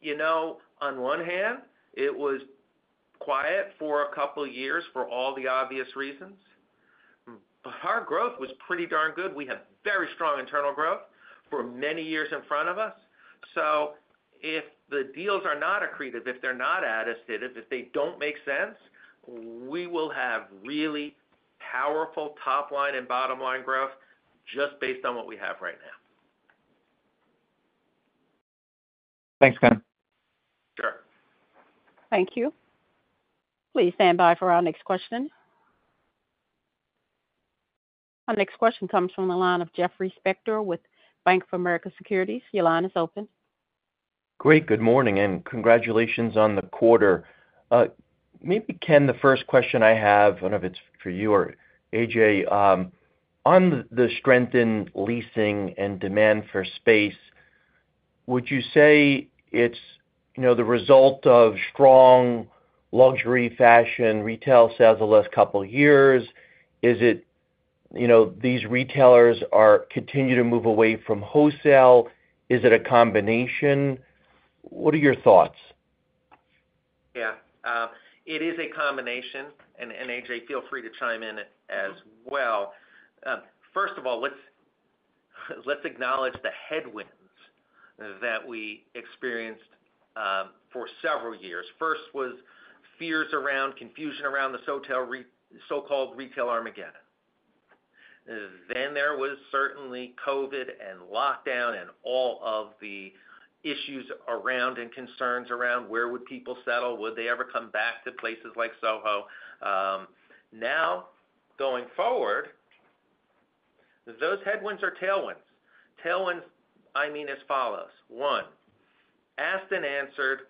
You know, on one hand, it was quiet for a couple of years for all the obvious reasons, but our growth was pretty darn good. We have very strong internal growth for many years in front of us. So if the deals are not accretive, if they're not additive, if they don't make sense, we will have really powerful top line and bottom line growth just based on what we have right now. Thanks, Ken. Sure. Thank you. Please stand by for our next question. Our next question comes from the line of Jeffrey Spector with Bank of America Securities. Your line is open. Great. Good morning, and congratulations on the quarter. Maybe, Ken, the first question I have, I don't know if it's for you or A.J., on the strength in leasing and demand for space, would you say it's, you know, the result of strong luxury fashion retail sales the last couple of years? Is it, you know, these retailers are continuing to move away from wholesale? Is it a combination? What are your thoughts? Yeah, it is a combination, and A.J., feel free to chime in as well. First of all, let's acknowledge the headwinds that we experienced for several years. First was fears around, confusion around the so-called retail Armageddon. Then there was certainly COVID and lockdown and all of the issues around and concerns around where would people settle? Would they ever come back to places like Soho? Now, going forward, those headwinds are tailwinds. Tailwinds, I mean, as follows: One, asked and answered,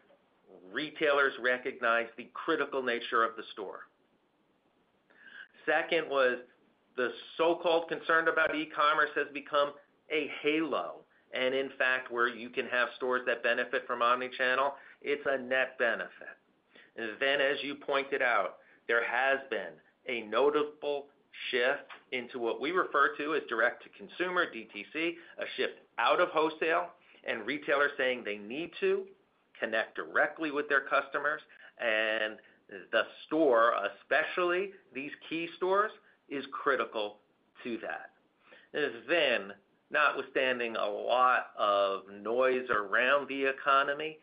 retailers recognize the critical nature of the store. Second was the so-called concern about e-commerce has become a halo, and in fact, where you can have stores that benefit from omni-channel, it's a net benefit. Then, as you pointed out, there has been a notable shift into what we refer to as direct-to-consumer, DTC, a shift out of wholesale and retailers saying they need to connect directly with their customers, and the store, especially these key stores, is critical to that. Then, notwithstanding a lot of noise around the economy,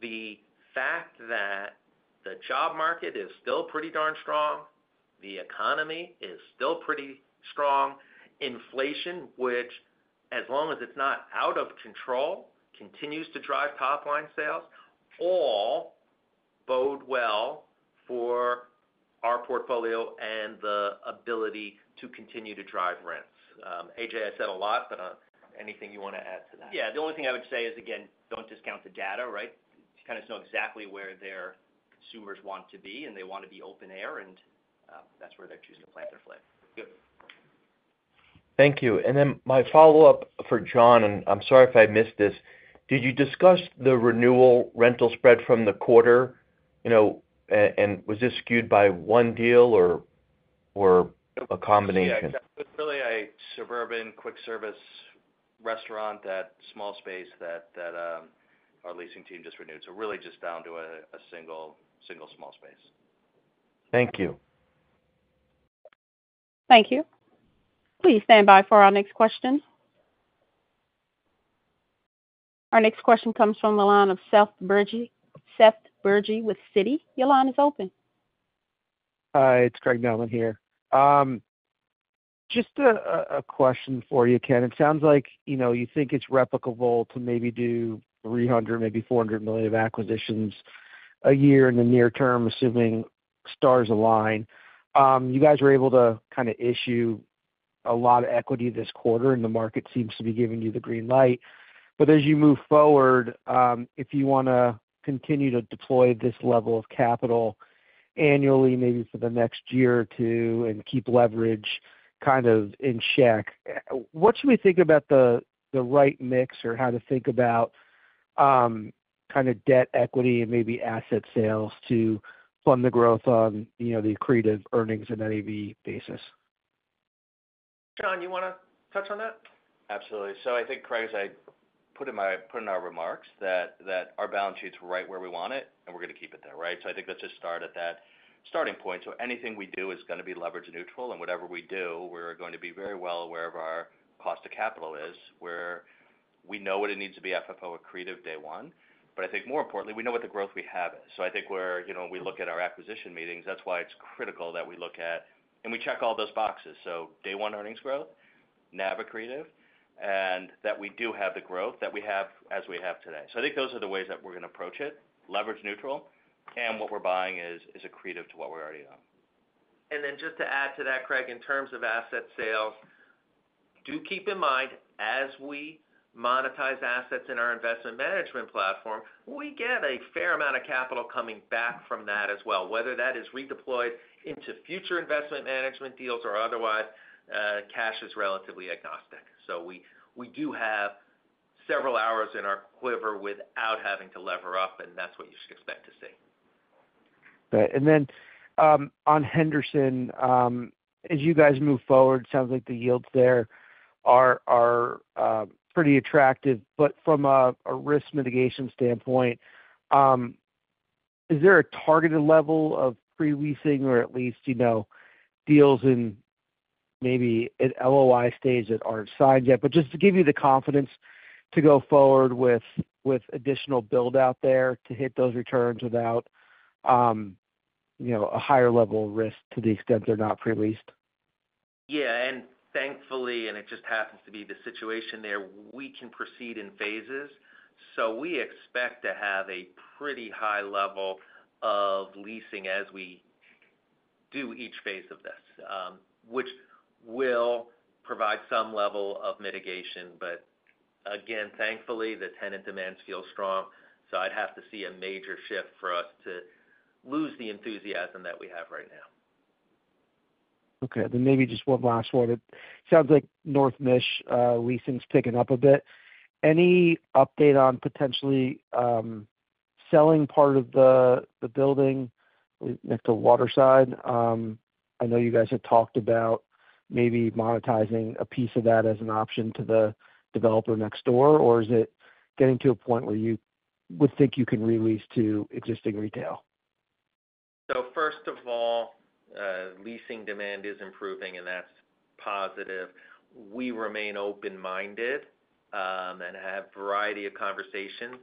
the fact that the job market is still pretty darn strong, the economy is still pretty strong, inflation, which as long as it's not out of control, continues to drive top-line sales, all bode well for our portfolio and the ability to continue to drive rents. A.J., I said a lot, but, anything you want to add to that? Yeah, the only thing I would say is, again, don't discount the data, right? You kind of know exactly where their consumers want to be, and they want to be open air, and that's where they choose to plant their flag. Good. Thank you. And then my follow-up for John, and I'm sorry if I missed this. Did you discuss the renewal rental spread from the quarter? You know, and was this skewed by one deal or a combination? It's really a suburban quick service restaurant, that small space that our leasing team just renewed. So really just down to a single small space. Thank you. Thank you. Please stand by for our next question. Our next question comes from the line of Seth Berge. Seth Berge with Citi. Your line is open. Hi, it's Craig Mailman here. Just a question for you, Ken. It sounds like, you know, you think it's replicable to maybe do $300 million-$400 million of acquisitions a year in the near term, assuming stars align. You guys were able to kind of issue a lot of equity this quarter, and the market seems to be giving you the green light. But as you move forward, if you want to continue to deploy this level of capital annually, maybe for the next year or two, and keep leverage kind of in check, what should we think about the right mix or how to think about kind of debt, equity, and maybe asset sales to fund the growth on, you know, the accretive earnings on an EV basis? John, you want to touch on that? Absolutely. So I think, Craig, as I put in our remarks, that our balance sheet's right where we want it, and we're going to keep it there, right? So I think let's just start at that starting point. So anything we do is going to be leverage neutral, and whatever we do, we're going to be very well aware of our cost of capital is. We know what it needs to be FFO accretive day one, but I think more importantly, we know what the growth we have is. So I think where, you know, when we look at our acquisition meetings, that's why it's critical that we look at, and we check all those boxes. So day one, earnings growth, NAV accretive, and that we do have the growth that we have as we have today. I think those are the ways that we're gonna approach it, leverage neutral, and what we're buying is accretive to what we're already on. And then just to add to that, Craig, in terms of asset sales, do keep in mind, as we monetize assets in our investment management platform, we get a fair amount of capital coming back from that as well, whether that is redeployed into future investment management deals or otherwise, cash is relatively agnostic. So we, we do have several arrows in our quiver without having to lever up, and that's what you should expect to see. Great. And then, on Henderson, as you guys move forward, sounds like the yields there are pretty attractive. But from a risk mitigation standpoint, is there a targeted level of pre-leasing or at least, you know, deals in maybe an LOI stage that aren't signed yet, but just to give you the confidence to go forward with additional build out there to hit those returns without, you know, a higher level of risk to the extent they're not pre-leased? Yeah, and thankfully, and it just happens to be the situation there, we can proceed in phases. So we expect to have a pretty high level of leasing as we do each phase of this, which will provide some level of mitigation. But again, thankfully, the tenant demands feel strong, so I'd have to see a major shift for us to lose the enthusiasm that we have right now. Okay. Then maybe just one last one. It sounds like North Michigan leasing's picking up a bit. Any update on potentially selling part of the building next to Water Tower Place? I know you guys have talked about maybe monetizing a piece of that as an option to the developer next door, or is it getting to a point where you would think you can re-lease to existing retail? First of all, leasing demand is improving, and that's positive. We remain open-minded, and have a variety of conversations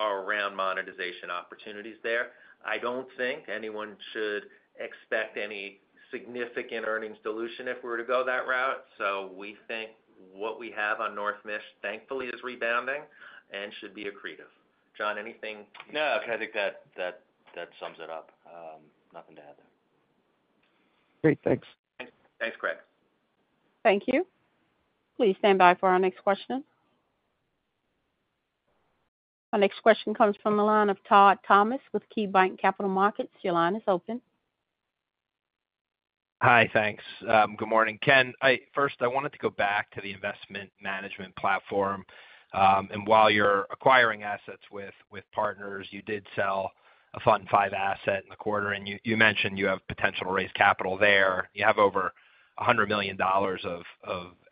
around monetization opportunities there. I don't think anyone should expect any significant earnings dilution if we were to go that route. We think what we have on North Michigan, thankfully, is rebounding and should be accretive. John, anything? No, I think that sums it up. Nothing to add there. Great. Thanks. Thanks, Craig. Thank you. Please stand by for our next question. Our next question comes from the line of Todd Thomas with KeyBanc Capital Markets. Your line is open. Hi, thanks. Good morning. Ken, first, I wanted to go back to the investment management platform. And while you're acquiring assets with partners, you did sell a Fund V asset in the quarter, and you mentioned you have potential to raise capital there. You have over $100 million of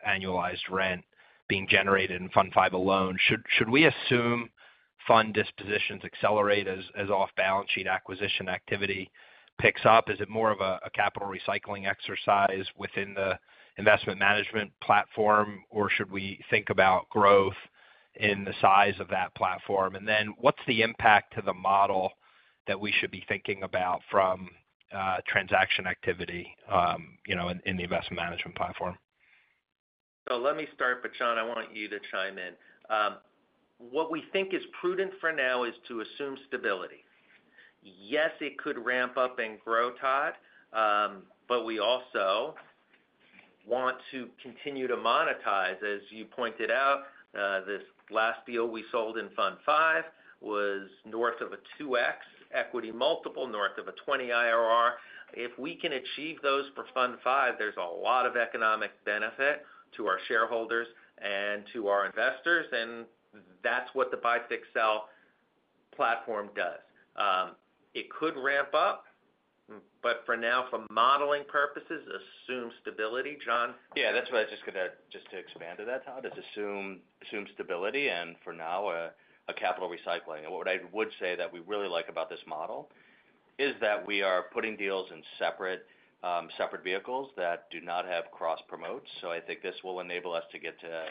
annualized rent being generated in Fund V alone. Should we assume fund dispositions accelerate as off-balance sheet acquisition activity picks up? Is it more of a capital recycling exercise within the investment management platform, or should we think about growth in the size of that platform? And then what's the impact to the model that we should be thinking about from transaction activity, you know, in the investment management platform? So let me start, but John, I want you to chime in. What we think is prudent for now is to assume stability. Yes, it could ramp up and grow, Todd, but we also want to continue to monetize. As you pointed out, this last deal we sold in Fund V was north of a two X equity multiple, north of a twenty IRR. If we can achieve those for Fund V, there's a lot of economic benefit to our shareholders and to our investors, and that's what the buy-to-sell platform does. It could ramp up, but for now, for modeling purposes, assume stability. John? Yeah, that's what I was just gonna add, just to expand to that, Todd, is assume stability, and for now, a capital recycling. And what I would say that we really like about this model is that we are putting deals in separate separate vehicles that do not have cross promotes. So I think this will enable us to get to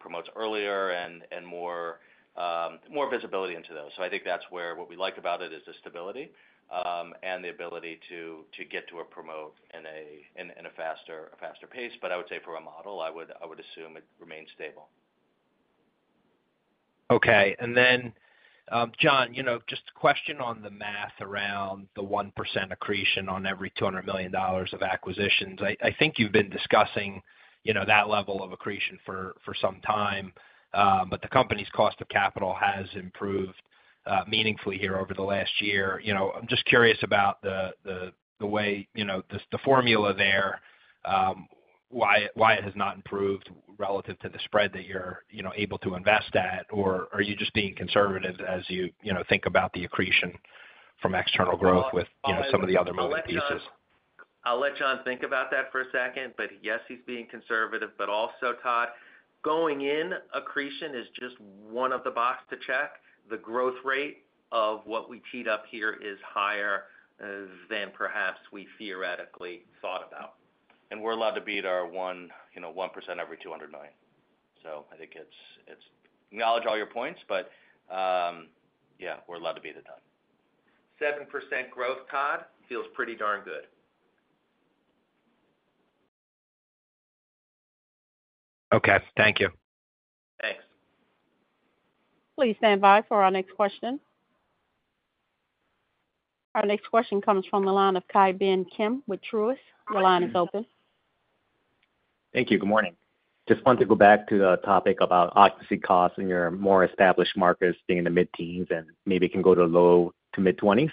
promotes earlier and more visibility into those. So I think that's where what we like about it is the stability and the ability to get to a promote in a faster pace. But I would say for our model, I would assume it remains stable. Okay. And then, John, you know, just a question on the math around the 1% accretion on every $200 million of acquisitions. I think you've been discussing, you know, that level of accretion for some time, but the company's cost of capital has improved meaningfully here over the last year. You know, I'm just curious about the way, you know, the formula there, why it has not improved relative to the spread that you're, you know, able to invest at? Or are you just being conservative as you, you know, think about the accretion from external growth with, you know, some of the other moving pieces? I'll let John think about that for a second, but yes, he's being conservative, but also, Todd, going in accretion is just one of the boxes to check. The growth rate of what we achieve up here is higher than perhaps we theoretically thought about. And we're allowed to beat our 1%, you know, every $200 million. So I think it's acknowledges all your points, but, yeah, we're allowed to beat it. Done. 7% growth, Todd, feels pretty darn good. Okay. Thank you. Thanks. Please stand by for our next question. Our next question comes from the line of Ki Bin Kim with Truist. Your line is open. Thank you. Good morning. Just want to go back to the topic about occupancy costs in your more established markets being in the mid-teens and maybe can go to low to mid-twenties.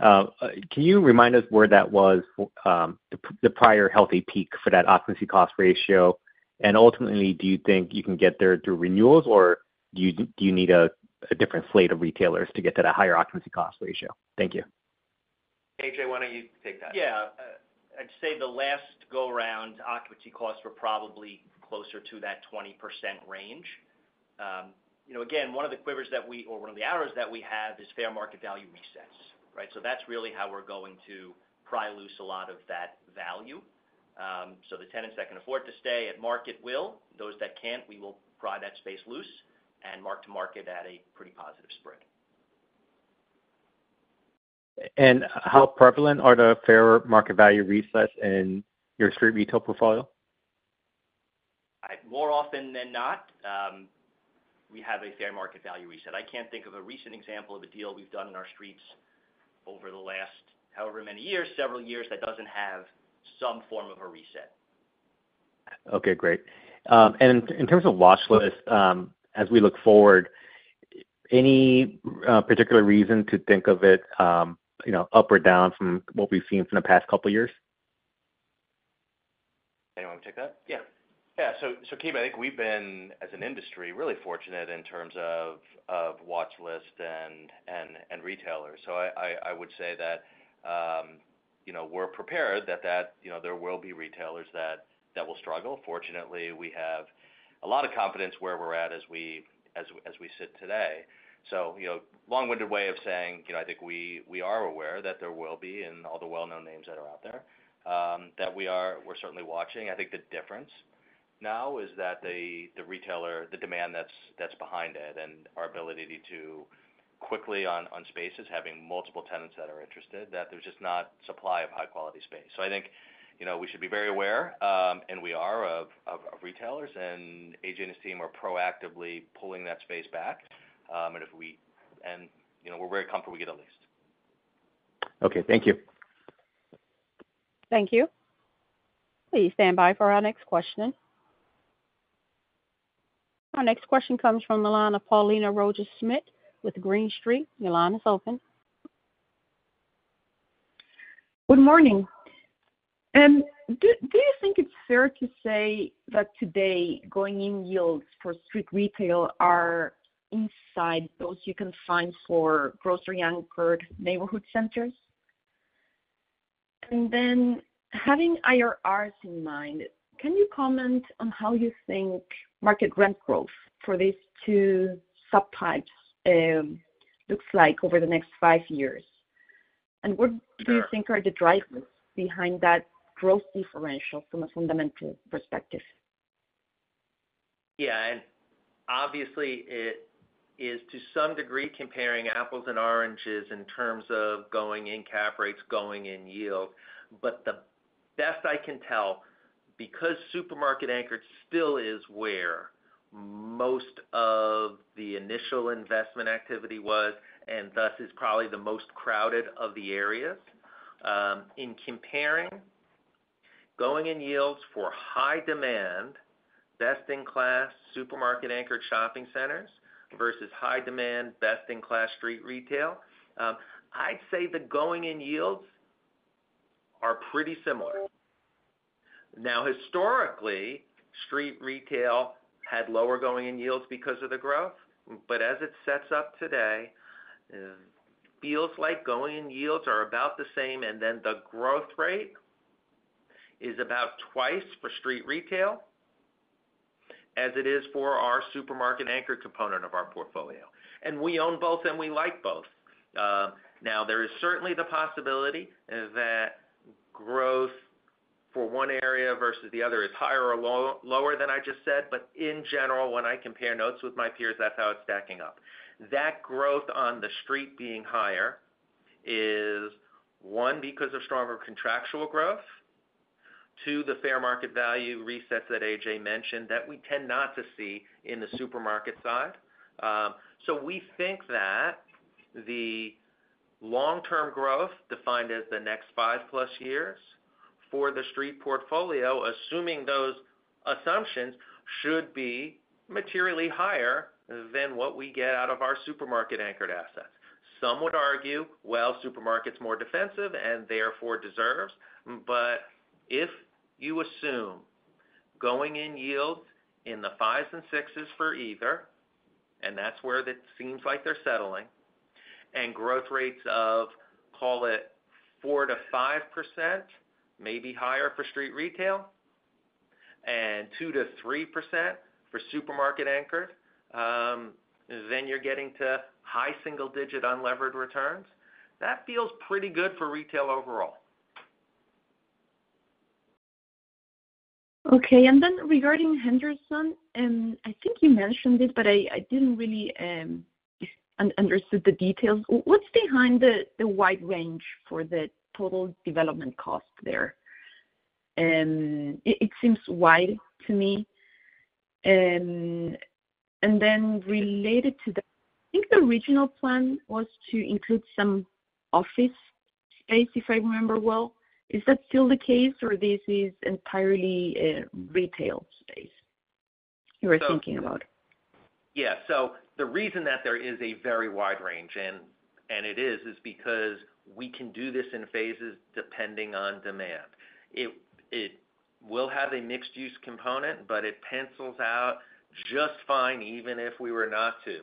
Can you remind us where that was, the prior healthy peak for that occupancy cost ratio? And ultimately, do you think you can get there through renewals, or do you need a different slate of retailers to get to that higher occupancy cost ratio? Thank you. A.J., why don't you take that? Yeah. I'd say the last go-round, occupancy costs were probably closer to that 20% range. You know, again, one of the quivers that we, or one of the arrows that we have is fair market value resets, right? So that's really how we're going to pry loose a lot of that value. So the tenants that can afford to stay at market will. Those that can't, we will pry that space loose and mark-to-market at a pretty positive spread. How prevalent are the fair market value resets in your street retail portfolio? More often than not, we have a fair market value reset. I can't think of a recent example of a deal we've done in our streets over the last, however many years, several years, that doesn't have some form of a reset. Okay, great, and in terms of watch list, as we look forward, any particular reason to think of it, you know, up or down from what we've seen from the past couple of years? Anyone want to take that? Yeah. Yeah. So, Ki, I think we've been, as an industry, really fortunate in terms of watch list and retailers. So I would say that, you know, we're prepared that, you know, there will be retailers that will struggle. Fortunately, we have a lot of confidence where we're at as we sit today. So, you know, long-winded way of saying, you know, I think we are aware that there will be and all the well-known names that are out there, that we are. We're certainly watching. I think the difference now is that the retail demand that's behind it, and our ability to quickly on spaces, having multiple tenants that are interested, that there's just no supply of high-quality space. I think, you know, we should be very aware, and we are of retailers, and A.J. and his team are proactively pulling that space back, and, you know, we're very comfortable we get a lease. Okay. Thank you. Thank you. Please stand by for our next question. Our next question comes from the line of Paulina Rojas-Schmidt with Green Street. Your line is open. Good morning. Do you think it's fair to say that today, going-in yields for street retail are inside those you can find for grocery-anchored neighborhood centers? And then, having IRRs in mind, can you comment on how you think market rent growth for these two subtypes looks like over the next five years? And what do you think are the drivers behind that growth differential from a fundamental perspective? Yeah, and obviously, it is to some degree, comparing apples and oranges in terms of going-in cap rates, going-in yield. But the best I can tell, because supermarket anchored still is where most of the initial investment activity was, and thus is probably the most crowded of the areas. In comparing, going-in yields for high demand, best-in-class supermarket anchored shopping centers versus high demand, best-in-class street retail, I'd say the going-in yields are pretty similar. Now, historically, street retail had lower going-in yields because of the growth, but as it sets up today, feels like going-in yields are about the same, and then the growth rate is about twice for street retail as it is for our supermarket anchor component of our portfolio, and we own both, and we like both. Now, there is certainly the possibility that growth for one area versus the other is higher or lower than I just said. But in general, when I compare notes with my peers, that's how it's stacking up. That growth on the street being higher is, one, because of stronger contractual growth. Two, the fair market value resets that A.J. mentioned, that we tend not to see in the supermarket side. So we think that the long-term growth, defined as the next five-plus years for the street portfolio, assuming those assumptions, should be materially higher than what we get out of our supermarket anchored assets. Some would argue, well, supermarket's more defensive and therefore deserves. But if you assume going-in yields in the fives and sixes for either, and that's where it seems like they're settling, and growth rates of, call it, 4%-5%, maybe higher for street retail, 2%-3% for supermarket anchored, then you're getting to high single-digit unlevered returns. That feels pretty good for retail overall. Okay. And then regarding Henderson, and I think you mentioned it, but I didn't really understood the details. What's behind the wide range for the total development cost there? It seems wide to me. And then related to that, I think the original plan was to include some office space, if I remember well. Is that still the case, or this is entirely retail space you were thinking about? Yeah. So the reason that there is a very wide range, and it is because we can do this in phases depending on demand. It will have a mixed use component, but it pencils out just fine, even if we were not to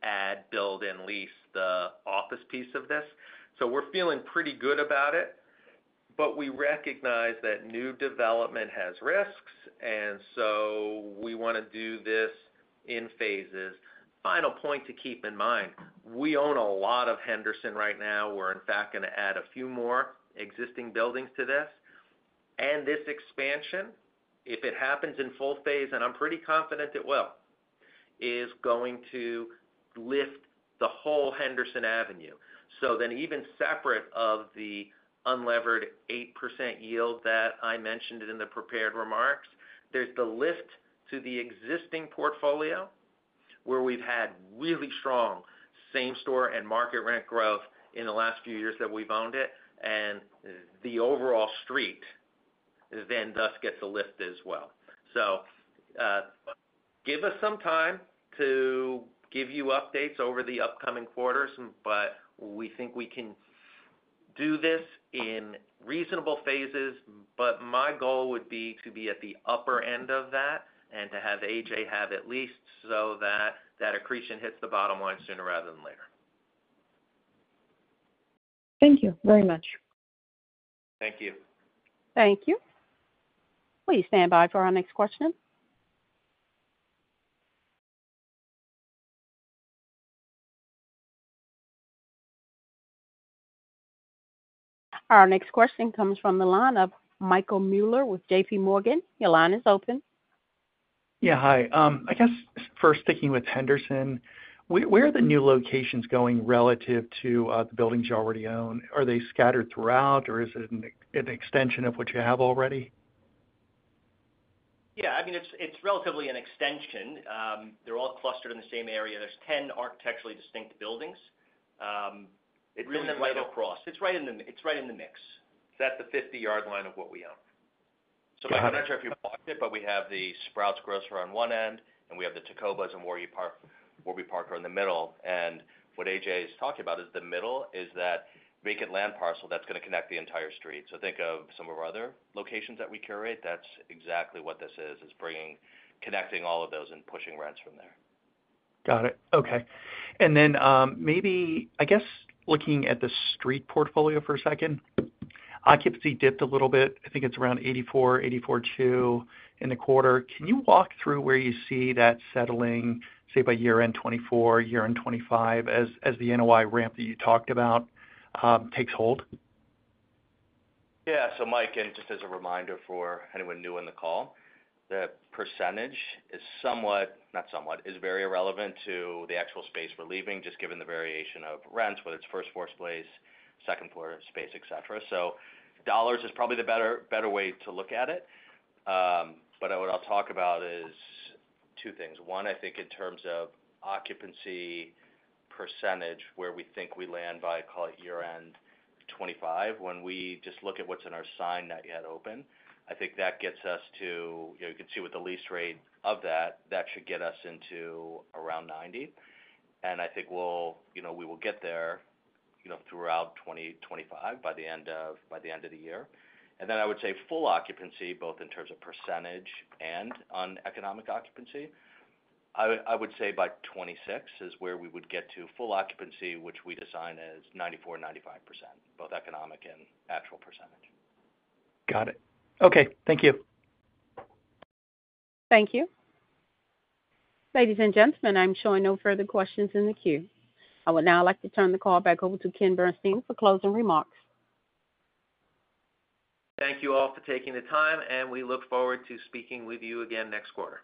add, build, and lease the office piece of this. So we're feeling pretty good about it, but we recognize that new development has risks, and so we wanna do this in phases. Final point to keep in mind, we own a lot of Henderson right now. We're in fact gonna add a few more existing buildings to this. And this expansion, if it happens in full phase, and I'm pretty confident it will, is going to lift the whole Henderson Avenue. So then, even separate from the unlevered 8% yield that I mentioned in the prepared remarks, there's the lift to the existing portfolio, where we've had really strong same-store and market rent growth in the last few years that we've owned it, and the overall street then thus gets a lift as well. So, give us some time to give you updates over the upcoming quarters, but we think we can do this in reasonable phases, but my goal would be to be at the upper end of that and to have A.J. have at least so that that accretion hits the bottom line sooner rather than later. Thank you very much. Thank you. Thank you. Please stand by for our next question. Our next question comes from the line of Michael Mueller with JPMorgan. Your line is open. Yeah, hi. I guess first, sticking with Henderson, where are the new locations going relative to the buildings you already own? Are they scattered throughout, or is it an extension of what you have already? Yeah, I mean, it's relatively an extension. They're all clustered in the same area. There's 10 architecturally distinct buildings. It's right across. Really. It's right in the mix. That's the fifty-yard line of what we own. Yeah. I'm not sure if you've watched it, but we have the Sprouts grocer on one end, and we have the Taco Bell and Warby Parker in the middle. And what A.J. is talking about is the middle, is that vacant land parcel that's gonna connect the entire street. Think of some of our other locations that we curate. That's exactly what this is, is bringing, connecting all of those and pushing rents from there. Got it. Okay. And then, maybe, I guess, looking at the street portfolio for a second, occupancy dipped a little bit. I think it's around 84.2% in the quarter. Can you walk through where you see that settling, say, by year-end 2024, year-end 2025, as the NOI ramp that you talked about takes hold? Yeah. So Mike, and just as a reminder for anyone new in the call, the percentage is somewhat, not somewhat, is very irrelevant to the actual space we're leasing, just given the variation of rent, whether it's first floor space, second floor space, et cetera. So dollars is probably the better way to look at it. But what I'll talk about is two things. One, I think in terms of occupancy percentage, where we think we land by, call it year end 2025, when we just look at what's signed, not yet open, I think that gets us to, you know, you can see with the lease rate of that, that should get us into around 90%. And I think we'll, you know, we will get there, you know, throughout 2025, by the end of the year. Then I would say full occupancy, both in terms of percentage and on economic occupancy. I would say by 2026 is where we would get to full occupancy, which we design as 94%-95%, both economic and actual percentage. Got it. Okay, thank you. Thank you. Ladies and gentlemen, I'm showing no further questions in the queue. I would now like to turn the call back over to Ken Bernstein for closing remarks. Thank you all for taking the time, and we look forward to speaking with you again next quarter.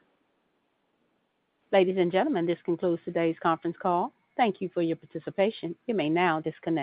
Ladies and gentlemen, this concludes today's conference call. Thank you for your participation. You may now disconnect.